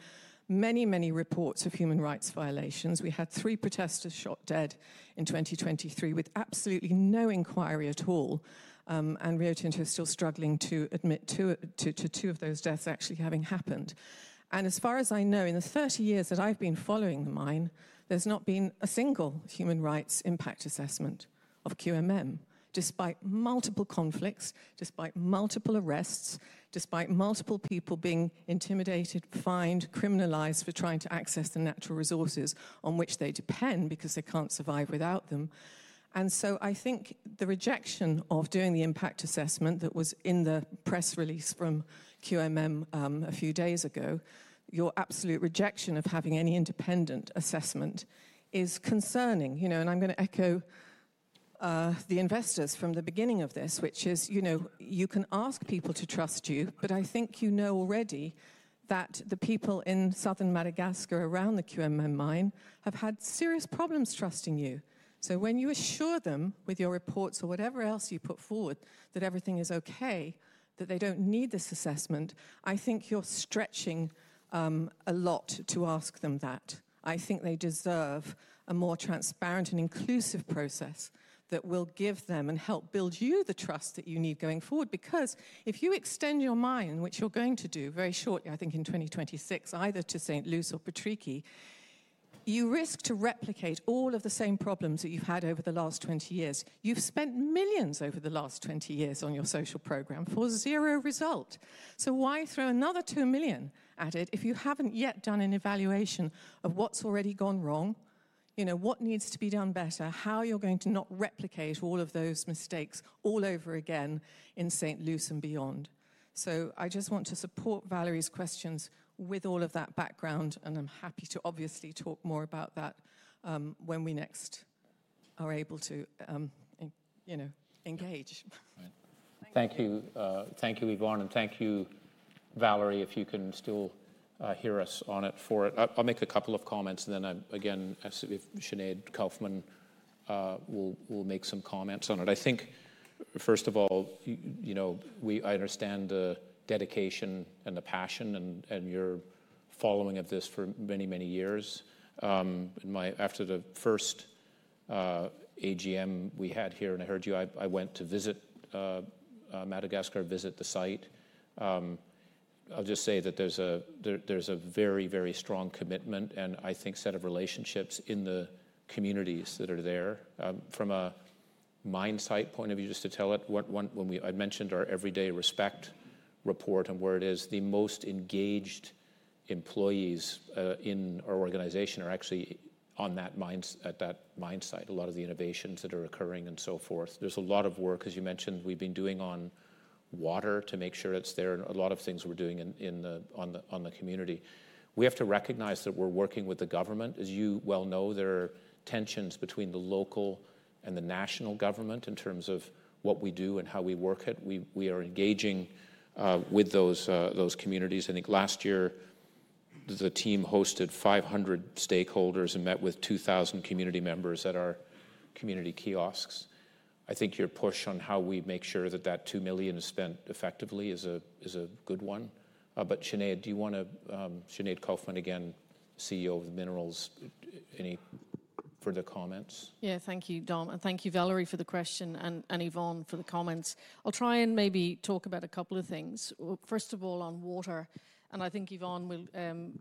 many, many reports of human rights violations. We had three protesters shot dead in 2023 with absolutely no inquiry at all. Rio Tinto is still struggling to admit to two of those deaths actually having happened. As far as I know, in the 30 years that I've been following the mine, there's not been a single human rights impact assessment of QMM despite multiple conflicts, despite multiple arrests, despite multiple people being intimidated, fined, criminalized for trying to access the natural resources on which they depend because they can't survive without them. I think the rejection of doing the impact assessment that was in the press release from QMM a few days ago, your absolute rejection of having any independent assessment is concerning. You know, and I'm going to echo the investors from the beginning of this, which is, you know, you can ask people to trust you, but I think you know already that the people in southern Madagascar around the QMM mine have had serious problems trusting you. So when you assure them with your reports or whatever else you put forward that everything is okay, that they don't need this assessment, I think you're stretching a lot to ask them that. I think they deserve a more transparent and inclusive process that will give them and help build you the trust that you need going forward. Because if you extend your mine, which you're going to do very shortly, I think in 2026, either to St. Louis or Petriqui, you risk to replicate all of the same problems that you've had over the last 20 years. You've spent millions over the last 20 years on your social program for zero result. Why throw another $2 million at it if you haven't yet done an evaluation of what's already gone wrong, you know, what needs to be done better, how you're going to not replicate all of those mistakes all over again in St. Louis and beyond. I just want to support Valéry's questions with all of that background, and I'm happy to obviously talk more about that when we next are able to, you know, engage. Thank you. Thank you, Yvonne, and thank you, Valéry, if you can still hear us on it for it. I'll make a couple of comments, and then again, Sinead Kaufman will make some comments on it. I think, first of all, you know, I understand the dedication and the passion and your following of this for many, many years. After the first AGM we had here, and I heard you, I went to visit Madagascar, visit the site. I'll just say that there's a very, very strong commitment and, I think, set of relationships in the communities that are there. From a mine site point of view, just to tell it, I mentioned our everyday respect report and where it is the most engaged employees in our organization are actually on that mine site, a lot of the innovations that are occurring and so forth. There's a lot of work, as you mentioned, we've been doing on water to make sure it's there. A lot of things we're doing on the community. We have to recognize that we're working with the government. As you well know, there are tensions between the local and the national government in terms of what we do and how we work it. We are engaging with those communities. I think last year, the team hosted 500 stakeholders and met with 2,000 community members at our community kiosks. I think your push on how we make sure that that $2 million is spent effectively is a good one. Sinead, do you want to, Sinead Kaufman again, CEO of the Minerals, any further comments? Yeah, thank you, Dom, and thank you, Valéry, for the question and Yvonne for the comments. I'll try and maybe talk about a couple of things. First of all, on water. I think Yvonne will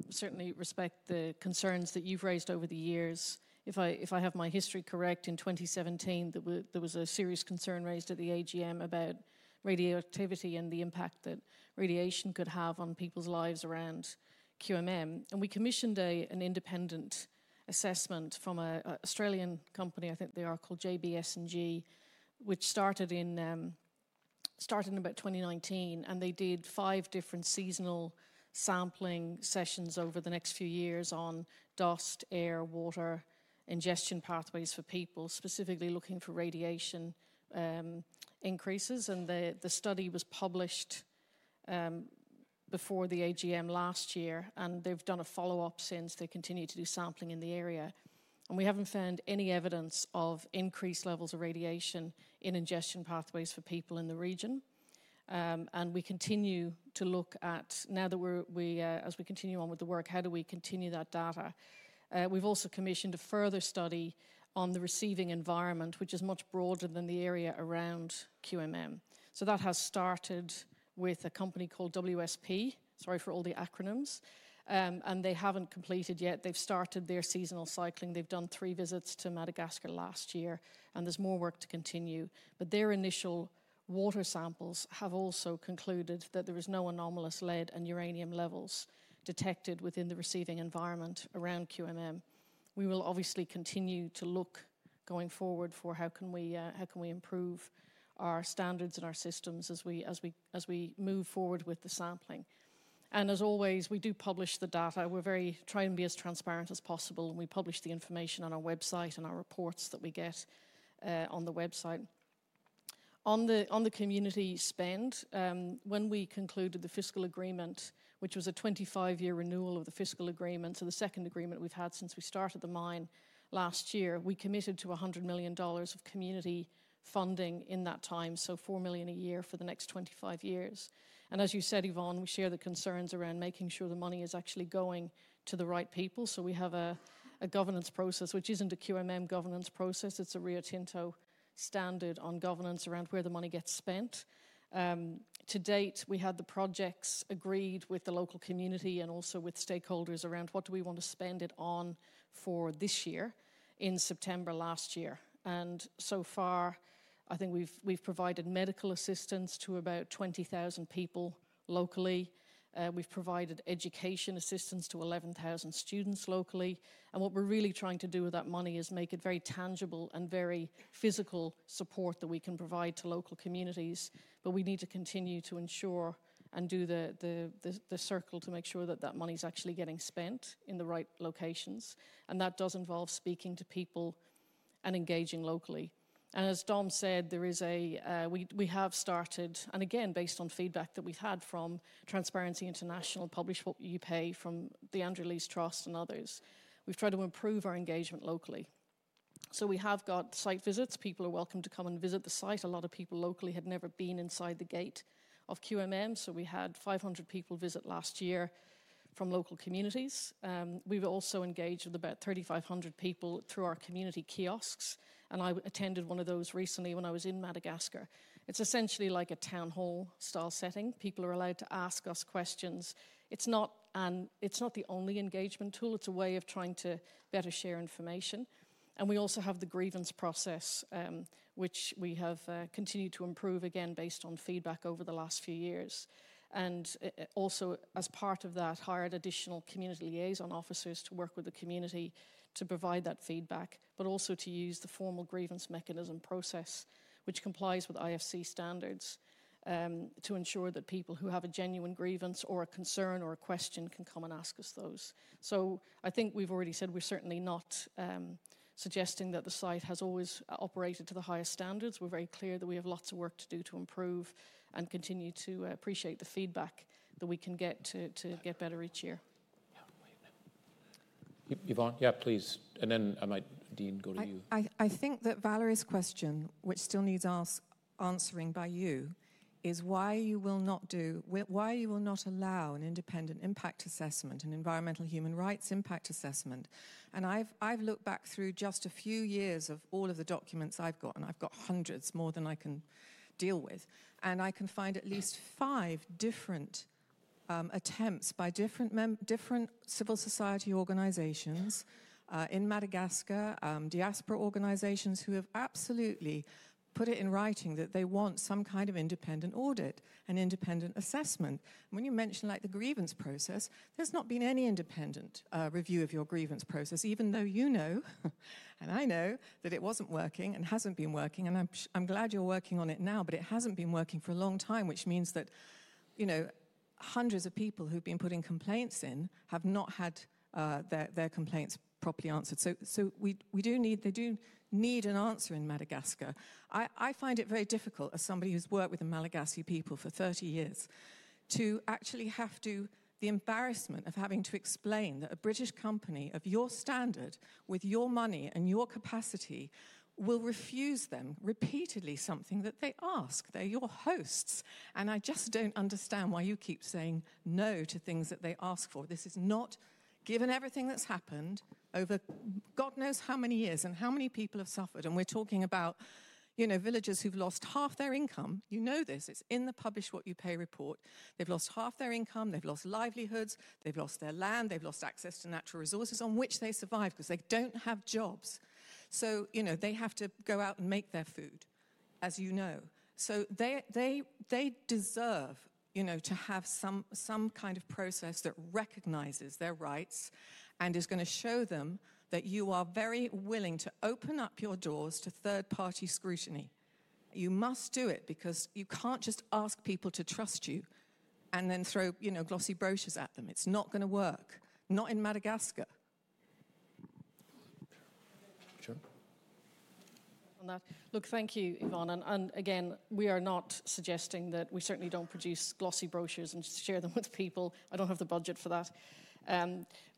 certainly respect the concerns that you've raised over the years. If I have my history correct, in 2017, there was a serious concern raised at the AGM about radioactivity and the impact that radiation could have on people's lives around QMM. We commissioned an independent assessment from an Australian company. I think they are called JBS&G, which started in about 2019. They did five different seasonal sampling sessions over the next few years on dust, air, water, ingestion pathways for people, specifically looking for radiation increases. The study was published before the AGM last year, and they've done a follow-up since. They continue to do sampling in the area. We haven't found any evidence of increased levels of radiation in ingestion pathways for people in the region. We continue to look at, now that we're, as we continue on with the work, how do we continue that data? We've also commissioned a further study on the receiving environment, which is much broader than the area around QMM. That has started with a company called WSP, sorry for all the acronyms, and they haven't completed yet. They've started their seasonal cycling. They've done three visits to Madagascar last year, and there's more work to continue. Their initial water samples have also concluded that there was no anomalous lead and uranium levels detected within the receiving environment around QMM. We will obviously continue to look going forward for how we can improve our standards and our systems as we move forward with the sampling. As always, we do publish the data. We're very trying to be as transparent as possible. We publish the information on our website and our reports that we get on the website. On the community spend, when we concluded the fiscal agreement, which was a 25-year renewal of the fiscal agreement, the second agreement we've had since we started the mine last year, we committed to $100 million of community funding in that time, $4 million a year for the next 25 years. As you said, Yvonne, we share the concerns around making sure the money is actually going to the right people. We have a governance process, which is not a QMM governance process. It is a Rio Tinto standard on governance around where the money gets spent. To date, we had the projects agreed with the local community and also with stakeholders around what we want to spend it on for this year in September last year. So far, I think we've provided medical assistance to about 20,000 people locally. We've provided education assistance to 11,000 students locally. What we're really trying to do with that money is make it very tangible and very physical support that we can provide to local communities. We need to continue to ensure and do the circle to make sure that that money is actually getting spent in the right locations. That does involve speaking to people and engaging locally. As Dom said, we have started, and again, based on feedback that we've had from Transparency International, Publish What You Pay, from the Andrew Lees Trust and others, we've tried to improve our engagement locally. We have got site visits. People are welcome to come and visit the site. A lot of people locally had never been inside the gate of QMM. We had 500 people visit last year from local communities. We've also engaged with about 3,500 people through our community kiosks. I attended one of those recently when I was in Madagascar. It's essentially like a town hall style setting. People are allowed to ask us questions. It's not the only engagement tool. It's a way of trying to better share information. We also have the grievance process, which we have continued to improve again based on feedback over the last few years. Also, as part of that, hired additional community liaison officers to work with the community to provide that feedback, but also to use the formal grievance mechanism process, which complies with IFC standards, to ensure that people who have a genuine grievance or a concern or a question can come and ask us those. I think we've already said we're certainly not suggesting that the site has always operated to the highest standards. We're very clear that we have lots of work to do to improve and continue to appreciate the feedback that we can get to get better each year. Yvonne, yeah, please. I might, Dean, go to you. I think that Valéry's question, which still needs answering by you, is why you will not do, why you will not allow an independent impact assessment, an environmental human rights impact assessment. I've looked back through just a few years of all of the documents I've got, and I've got hundreds, more than I can deal with. I can find at least five different attempts by different civil society organizations in Madagascar, diaspora organizations who have absolutely put it in writing that they want some kind of independent audit, an independent assessment. When you mention like the grievance process, there's not been any independent review of your grievance process, even though you know, and I know, that it wasn't working and hasn't been working. I'm glad you're working on it now, but it hasn't been working for a long time, which means that, you know, hundreds of people who've been putting complaints in have not had their complaints properly answered. We do need, they do need an answer in Madagascar. I find it very difficult as somebody who's worked with the Malagasy people for 30 years to actually have to, the embarrassment of having to explain that a British company of your standard with your money and your capacity will refuse them repeatedly something that they ask. They're your hosts. I just don't understand why you keep saying no to things that they ask for. This is not, given everything that's happened over God knows how many years and how many people have suffered. We're talking about, you know, villagers who've lost half their income. You know this. It's in the Publish What You Pay report. They've lost half their income. They've lost livelihoods. They've lost their land. They've lost access to natural resources on which they survive because they don't have jobs. You know, they have to go out and make their food, as you know. They deserve, you know, to have some kind of process that recognizes their rights and is going to show them that you are very willing to open up your doors to third-party scrutiny. You must do it because you can't just ask people to trust you and then throw, you know, glossy brochures at them. It's not going to work, not in Madagascar. Look, thank you, Yvonne. Again, we are not suggesting that. We certainly don't produce glossy brochures and share them with people. I don't have the budget for that.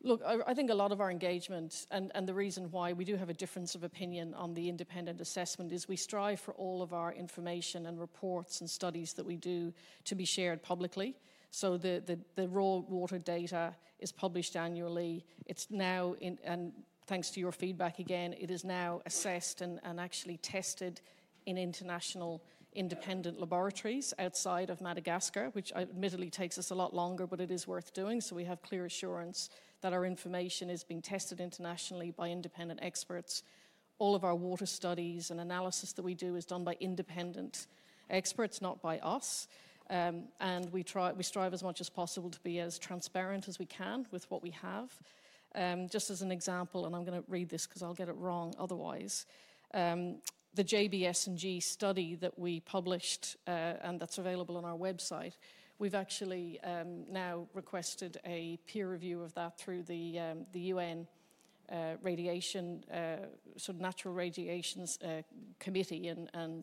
Look, I think a lot of our engagement and the reason why we do have a difference of opinion on the independent assessment is we strive for all of our information and reports and studies that we do to be shared publicly. The raw water data is published annually. It's now, and thanks to your feedback again, it is now assessed and actually tested in international independent laboratories outside of Madagascar, which admittedly takes us a lot longer, but it is worth doing. We have clear assurance that our information is being tested internationally by independent experts. All of our water studies and analysis that we do is done by independent experts, not by us. We strive as much as possible to be as transparent as we can with what we have. Just as an example, and I'm going to read this because I'll get it wrong otherwise, the JBS&G study that we published and that's available on our website, we've actually now requested a peer review of that through the UN Radiation, sort of Natural Radiation Committee.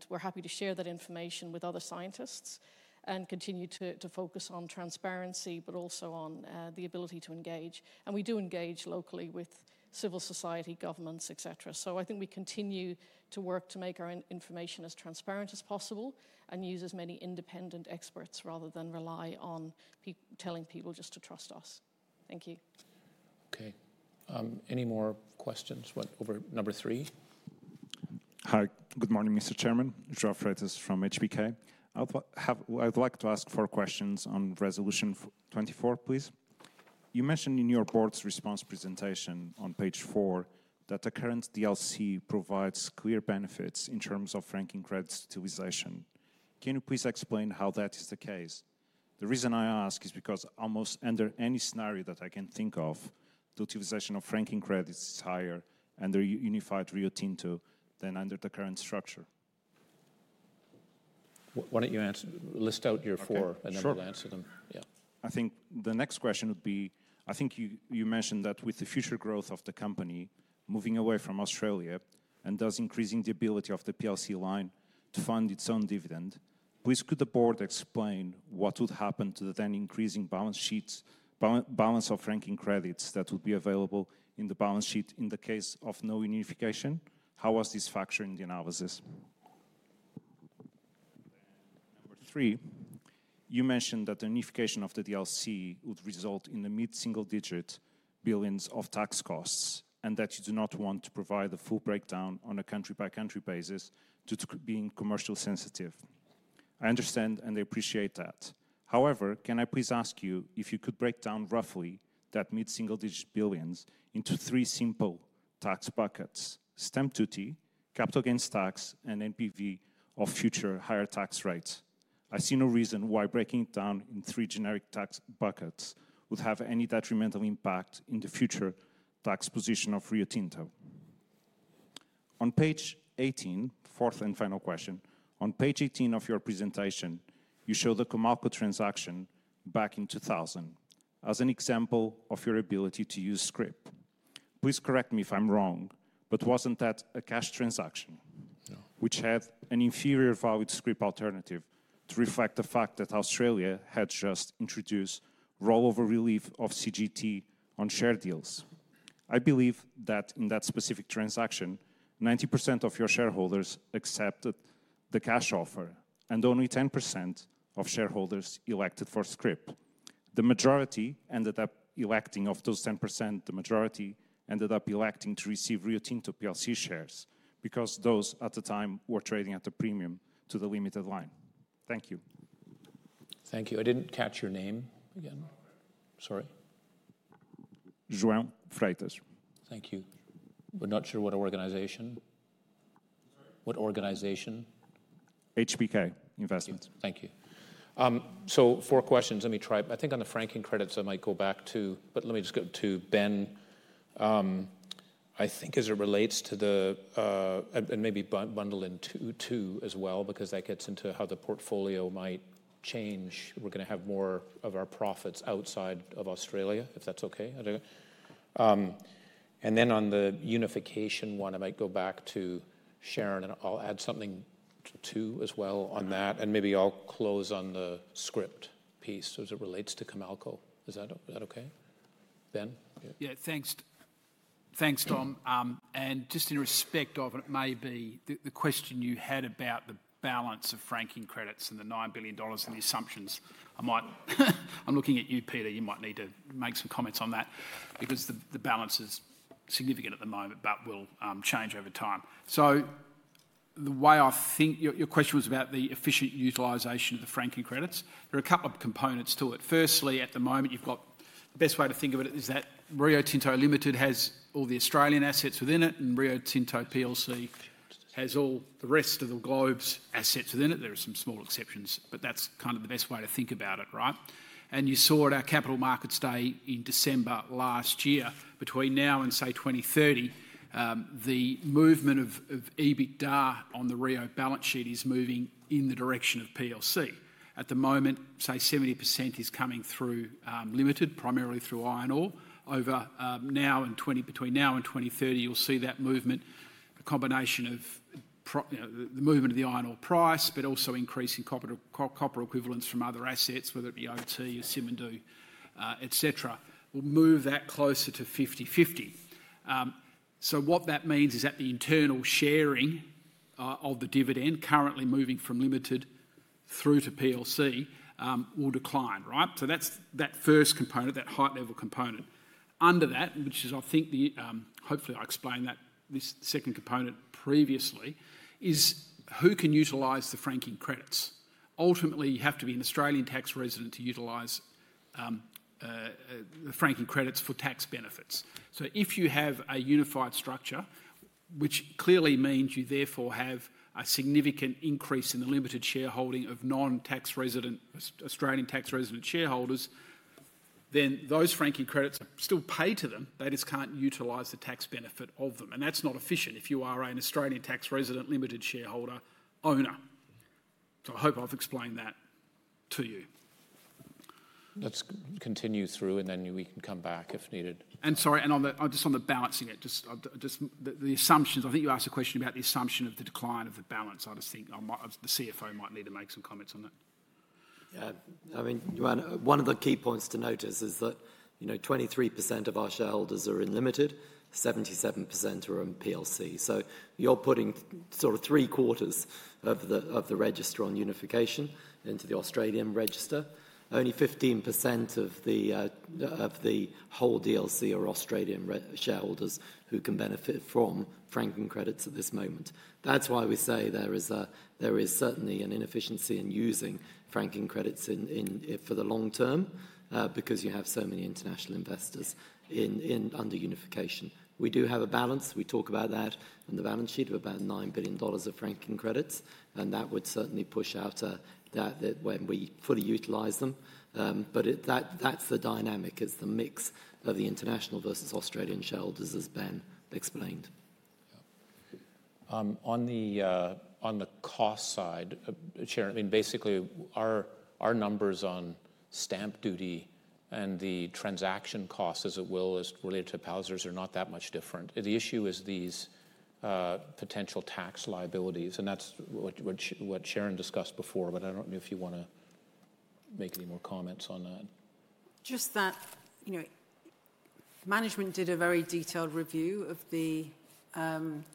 We are happy to share that information with other scientists and continue to focus on transparency, but also on the ability to engage. We do engage locally with civil society, governments, etc. I think we continue to work to make our information as transparent as possible and use as many independent experts rather than rely on telling people just to trust us. Thank you. Okay. Any more questions? What number three? Hi, good morning, Mr. Chairman. Joao Freitas, this is from HBK. I'd like to ask four questions on Resolution 24, please. You mentioned in your board's response presentation on page four that the current DLC provides clear benefits in terms of franking credits utilization. Can you please explain how that is the case? The reason I ask is because almost under any scenario that I can think of, the utilization of franking credits is higher under Unified Rio Tinto than under the current structure. Why don't you list out your four and then we'll answer them? Yeah. I think the next question would be, I think you mentioned that with the future growth of the company moving away from Australia and thus increasing the ability of the PLC line to fund its own dividend, please could the board explain what would happen to the then increasing balance sheet balance of franking credits that would be available in the balance sheet in the case of no unification? How was this factor in the analysis? Number three, you mentioned that the unification of the DLC would result in the mid-single digit billions of tax costs and that you do not want to provide a full breakdown on a country-by-country basis due to being commercially sensitive. I understand and I appreciate that. However, can I please ask you if you could break down roughly that mid-single digit billions into three simple tax buckets, stamp duty, capital gains tax, and NPV of future higher tax rates? I see no reason why breaking it down in three generic tax buckets would have any detrimental impact in the future tax position of Rio Tinto. On page 18, fourth and final question, on page 18 of your presentation, you show the Comalco transaction back in 2000 as an example of your ability to use SCRIP. Please correct me if I'm wrong, but wasn't that a cash transaction which had an inferior value to SCRIP alternative to reflect the fact that Australia had just introduced rollover relief of CGT on share deals? I believe that in that specific transaction, 90% of your shareholders accepted the cash offer and only 10% of shareholders elected for SCRIP. The majority ended up electing of those 10%, the majority ended up electing to receive Rio Tinto PLC shares because those at the time were trading at a premium to the limited line. Thank you. Thank you. I didn't catch your name again. Sorry. Joao Freitas. Thank you. We're not sure what organization. What organization? HBK Investments. Thank you. Four questions. Let me try. I think on the franking credits, I might go back to, but let me just go to Ben. I think as it relates to the, and maybe bundle in two as well because that gets into how the portfolio might change. We're going to have more of our profits outside of Australia, if that's okay. On the unification one, I might go back to Sharon and I'll add something too as well on that. Maybe I'll close on the SCRIP piece as it relates to Comalco. Is that okay? Ben? Yeah, thanks. Thanks, Dom. Just in respect of it, maybe the question you had about the balance of franking credits and the $9 billion and the assumptions, I might, I'm looking at you, Peter, you might need to make some comments on that because the balance is significant at the moment, but will change over time. The way I think your question was about the efficient utilization of the franking credits, there are a couple of components to it. Firstly, at the moment, you've got the best way to think of it is that Rio Tinto Limited has all the Australian assets within it and Rio Tinto PLC has all the rest of the globe's assets within it. There are some small exceptions, but that's kind of the best way to think about it, right? You saw at our capital markets day in December last year, between now and say 2030, the movement of EBITDA on the Rio balance sheet is moving in the direction of PLC. At the moment, say 70% is coming through Limited, primarily through iron ore. Over now and between now and 2030, you'll see that movement, a combination of the movement of the iron ore price, but also increasing copper equivalents from other assets, whether it be OT or Simandou, etc., will move that closer to 50-50. What that means is that the internal sharing of the dividend currently moving from Limited through to PLC will decline, right? That's that first component, that height level component. Under that, which is I think the, hopefully I explained that this second component previously, is who can utilize the franking credits. Ultimately, you have to be an Australian tax resident to utilize the franking credits for tax benefits. If you have a unified structure, which clearly means you therefore have a significant increase in the Limited shareholding of non-tax resident Australian tax resident shareholders, then those franking cred its still pay to them. They just can't utilize the tax benefit of them. That's not efficient if you are an Australian tax resident limited shareholder owner. I hope I've explained that to you. Let's continue through and we can come back if needed. Sorry, just on the balancing it, just the assumptions, I think you asked a question about the assumption of the decline of the balance. I just think the CFO might need to make some comments on that. Yeah, I mean, one of the key points to notice is that, you know, 23% of our shareholders are in limited, 77% are in PLC. You're putting sort of three quarters of the register on unification into the Australian register. Only 15% of the whole DLC are Australian shareholders who can benefit from franking credits at this moment. That's why we say there is certainly an inefficiency in using franking credits for the long term because you have so many international investors under unification. We do have a balance. We talk about that and the balance sheet of about $9 billion of franking credits. That would certainly push out that when we fully utilize them. That is the dynamic, the mix of the international versus Australian shareholders as Ben explained. On the cost side, Chair, I mean, basically our numbers on stamp duty and the transaction cost, as it will, is related to Palliser are not that much different. The issue is these potential tax liabilities and that's what Sharon discussed before, but I don't know if you want to make any more comments on that. Just that, you know, management did a very detailed review of the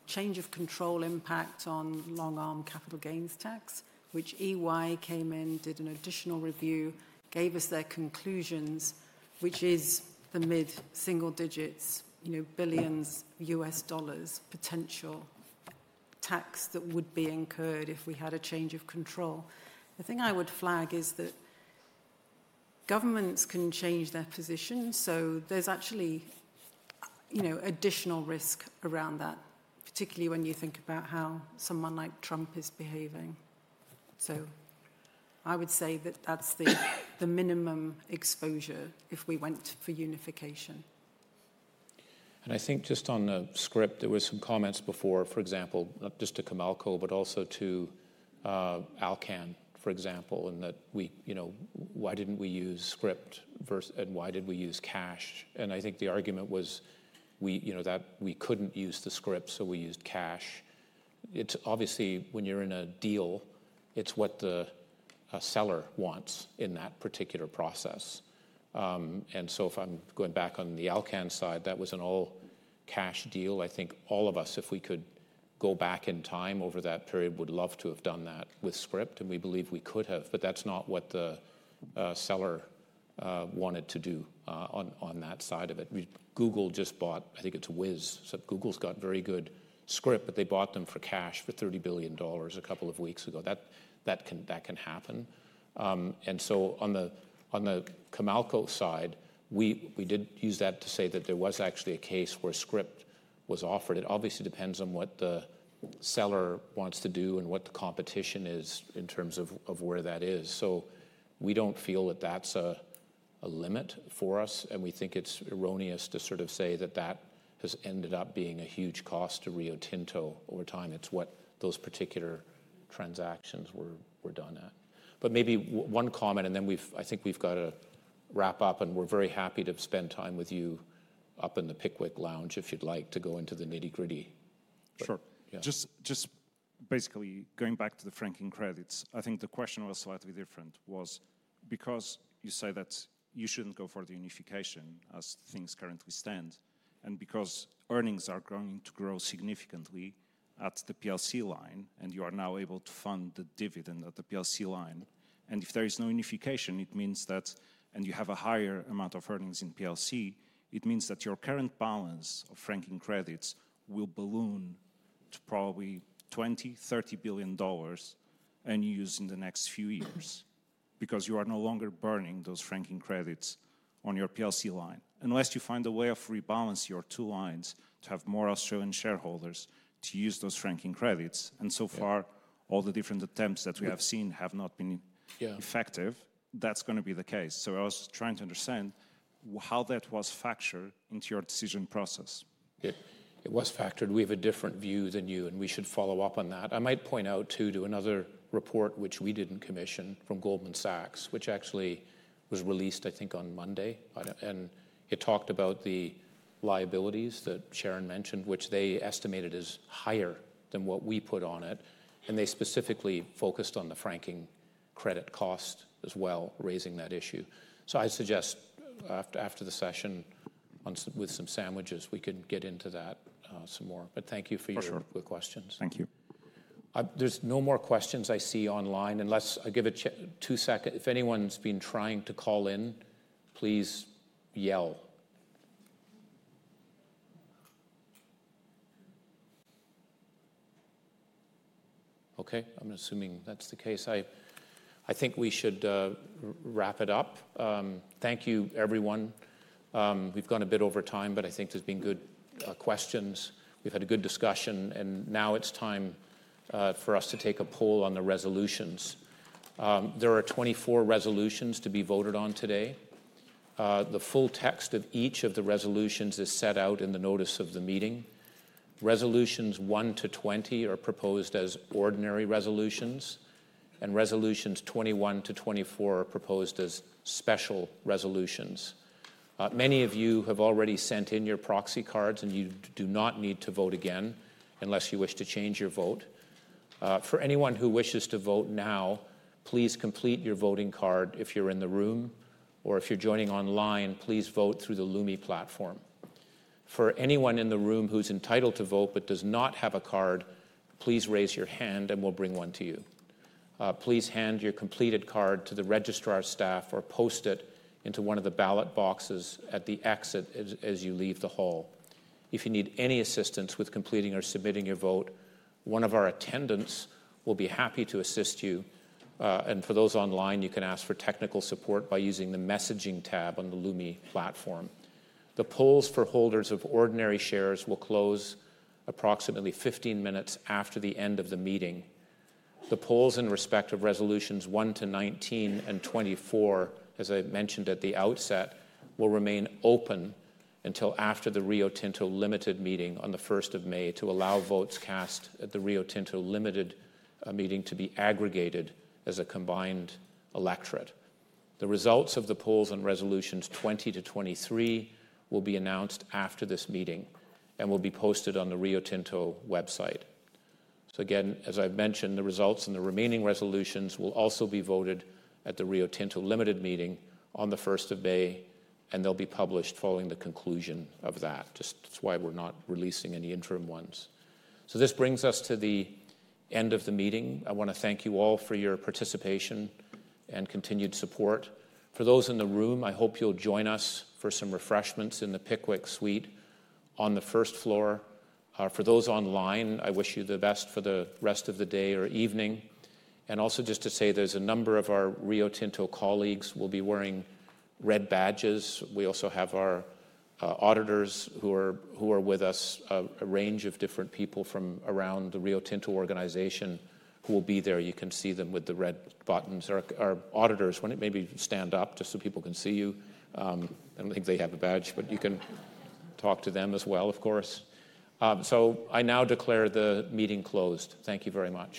change of control impact on long-arm capital gains tax, which EY came in, did an additional review, gave us their conclusions, which is the mid-single digits, you know, U.S. dollars potential tax that would be incurred if we had a change of control. The thing I would flag is that governments can change their position. There is actually, you know, additional risk around that, particularly when you think about how someone like Trump is behaving. I would say that that's the minimum exposure if we went for unification. I think just on SCRIP, there were some comments before, for example, not just to Comalco, but also to Alcan, for example, and that we, you know, why didn't we use SCRIP versus and why did we use cash? I think the argument was, you know, that we could not use the SCRIP, so we used cash. It is obviously when you are in a deal, it is what the seller wants in that particular process. If I am going back on the Alcan side, that was an all cash deal. I think all of us, if we could go back in time over that period, would love to have done that with SCRIP and we believe we could have, but that is not what the seller wanted to do on that side of it. Google just bought, I think it is Wiz, so Google has very good SCRIP, but they bought them for cash for $30 billion a couple of weeks ago. That can happen. On the Comalco side, we did use that to say that there was actually a case where SCRIP was offered. It obviously depends on what the seller wants to do and what the competition is in terms of where that is. We do not feel that that is a limit for us and we think it is erroneous to sort of say that that has ended up being a huge cost to Rio Tinto over time. It is what those particular transactions were done at. Maybe one comment and then we have, I think we have got to wrap up and we are very happy to spend time with you up in the Pickwick Lounge if you would like to go into the nitty-gritty. Sure. Just basically going back to the franking credits, I think the question was slightly different because you say that you shouldn't go for the unification as things currently stand and because earnings are going to grow significantly at the PLC line and you are now able to fund the dividend at the PLC line. If there is no unification, it means that, and you have a higher amount of earnings in PLC, it means that your current balance of franking credits will balloon to probably $20 billion-$30 billion and use in the next few years because you are no longer burning those franking credits on your PLC line unless you find a way of rebalancing your two lines to have more Australian shareholders to use those franking credits. So far, all the different attempts that we have seen have not been effective. That's going to be the case. I was trying to understand how that was factored into your decision process. It was factored. We have a different view than you and we should follow up on that. I might point out too another report, which we didn't commission from Goldman Sachs, which actually was released, I think, on Monday. It talked about the liabilities that Sharon mentioned, which they estimated is higher than what we put on it. They specifically focused on the franking credit cost as well, raising that issue. I suggest after the session with some sandwiches, we could get into that some more. Thank you for your questions. Thank you. There's no more questions I see online unless I give it two seconds. If anyone's been trying to call in, please yell. I'm assuming that's the case. I think we should wrap it up. Thank you, everyone. We've gone a bit over time, but I think there's been good questions. We've had a good discussion and now it's time for us to take a poll on the resolutions. There are 24 resolutions to be voted on today. The full text of each of the resolutions is set out in the notice of the meeting. Resolutions 1 to 20 are proposed as ordinary resolutions and resolutions 21 to 24 are proposed as special resolutions. Many of you have already sent in your proxy cards and you do not need to vote again unless you wish to change your vote. For anyone who wishes to vote now, please complete your voting card if you're in the room or if you're joining online, please vote through the Lumi platform. For anyone in the room who's entitled to vote but does not have a card, please raise your hand and we'll bring one to you. Please hand your completed card to the registrar staff or post it into one of the ballot boxes at the exit as you leave the hall. If you need any assistance with completing or submitting your vote, one of our attendants will be happy to assist you. For those online, you can ask for technical support by using the messaging tab on the Lumi platform. The polls for holders of ordinary shares will close approximately 15 minutes after the end of the meeting. The polls in respect of resolutions 1 to 19 and 24, as I mentioned at the outset, will remain open until after the Rio Tinto Limited meeting on the 1st of May to allow votes cast at the Rio Tinto Limited meeting to be aggregated as a combined electorate. The results of the polls and resolutions 20 to 23 will be announced after this meeting and will be posted on the Rio Tinto website. As I've mentioned, the results and the remaining resolutions will also be voted at the Rio Tinto Limited meeting on the 1st of May and they'll be published following the conclusion of that. That's why we're not releasing any interim ones. This brings us to the end of the meeting. I want to thank you all for your participation and continued support. For those in the room, I hope you'll join us for some refreshments in the Pickwick Suite on the first floor. For those online, I wish you the best for the rest of the day or evening. Also, just to say there's a number of our Rio Tinto colleagues who will be wearing red badges. We also have our auditors who are with us, a range of different people from around the Rio Tinto organization who will be there. You can see them with the red buttons. Our auditors, would you maybe stand up just so people can see you. I don't think they have a badge, but you can talk to them as well, of course. I now declare the meeting closed. Thank you very much.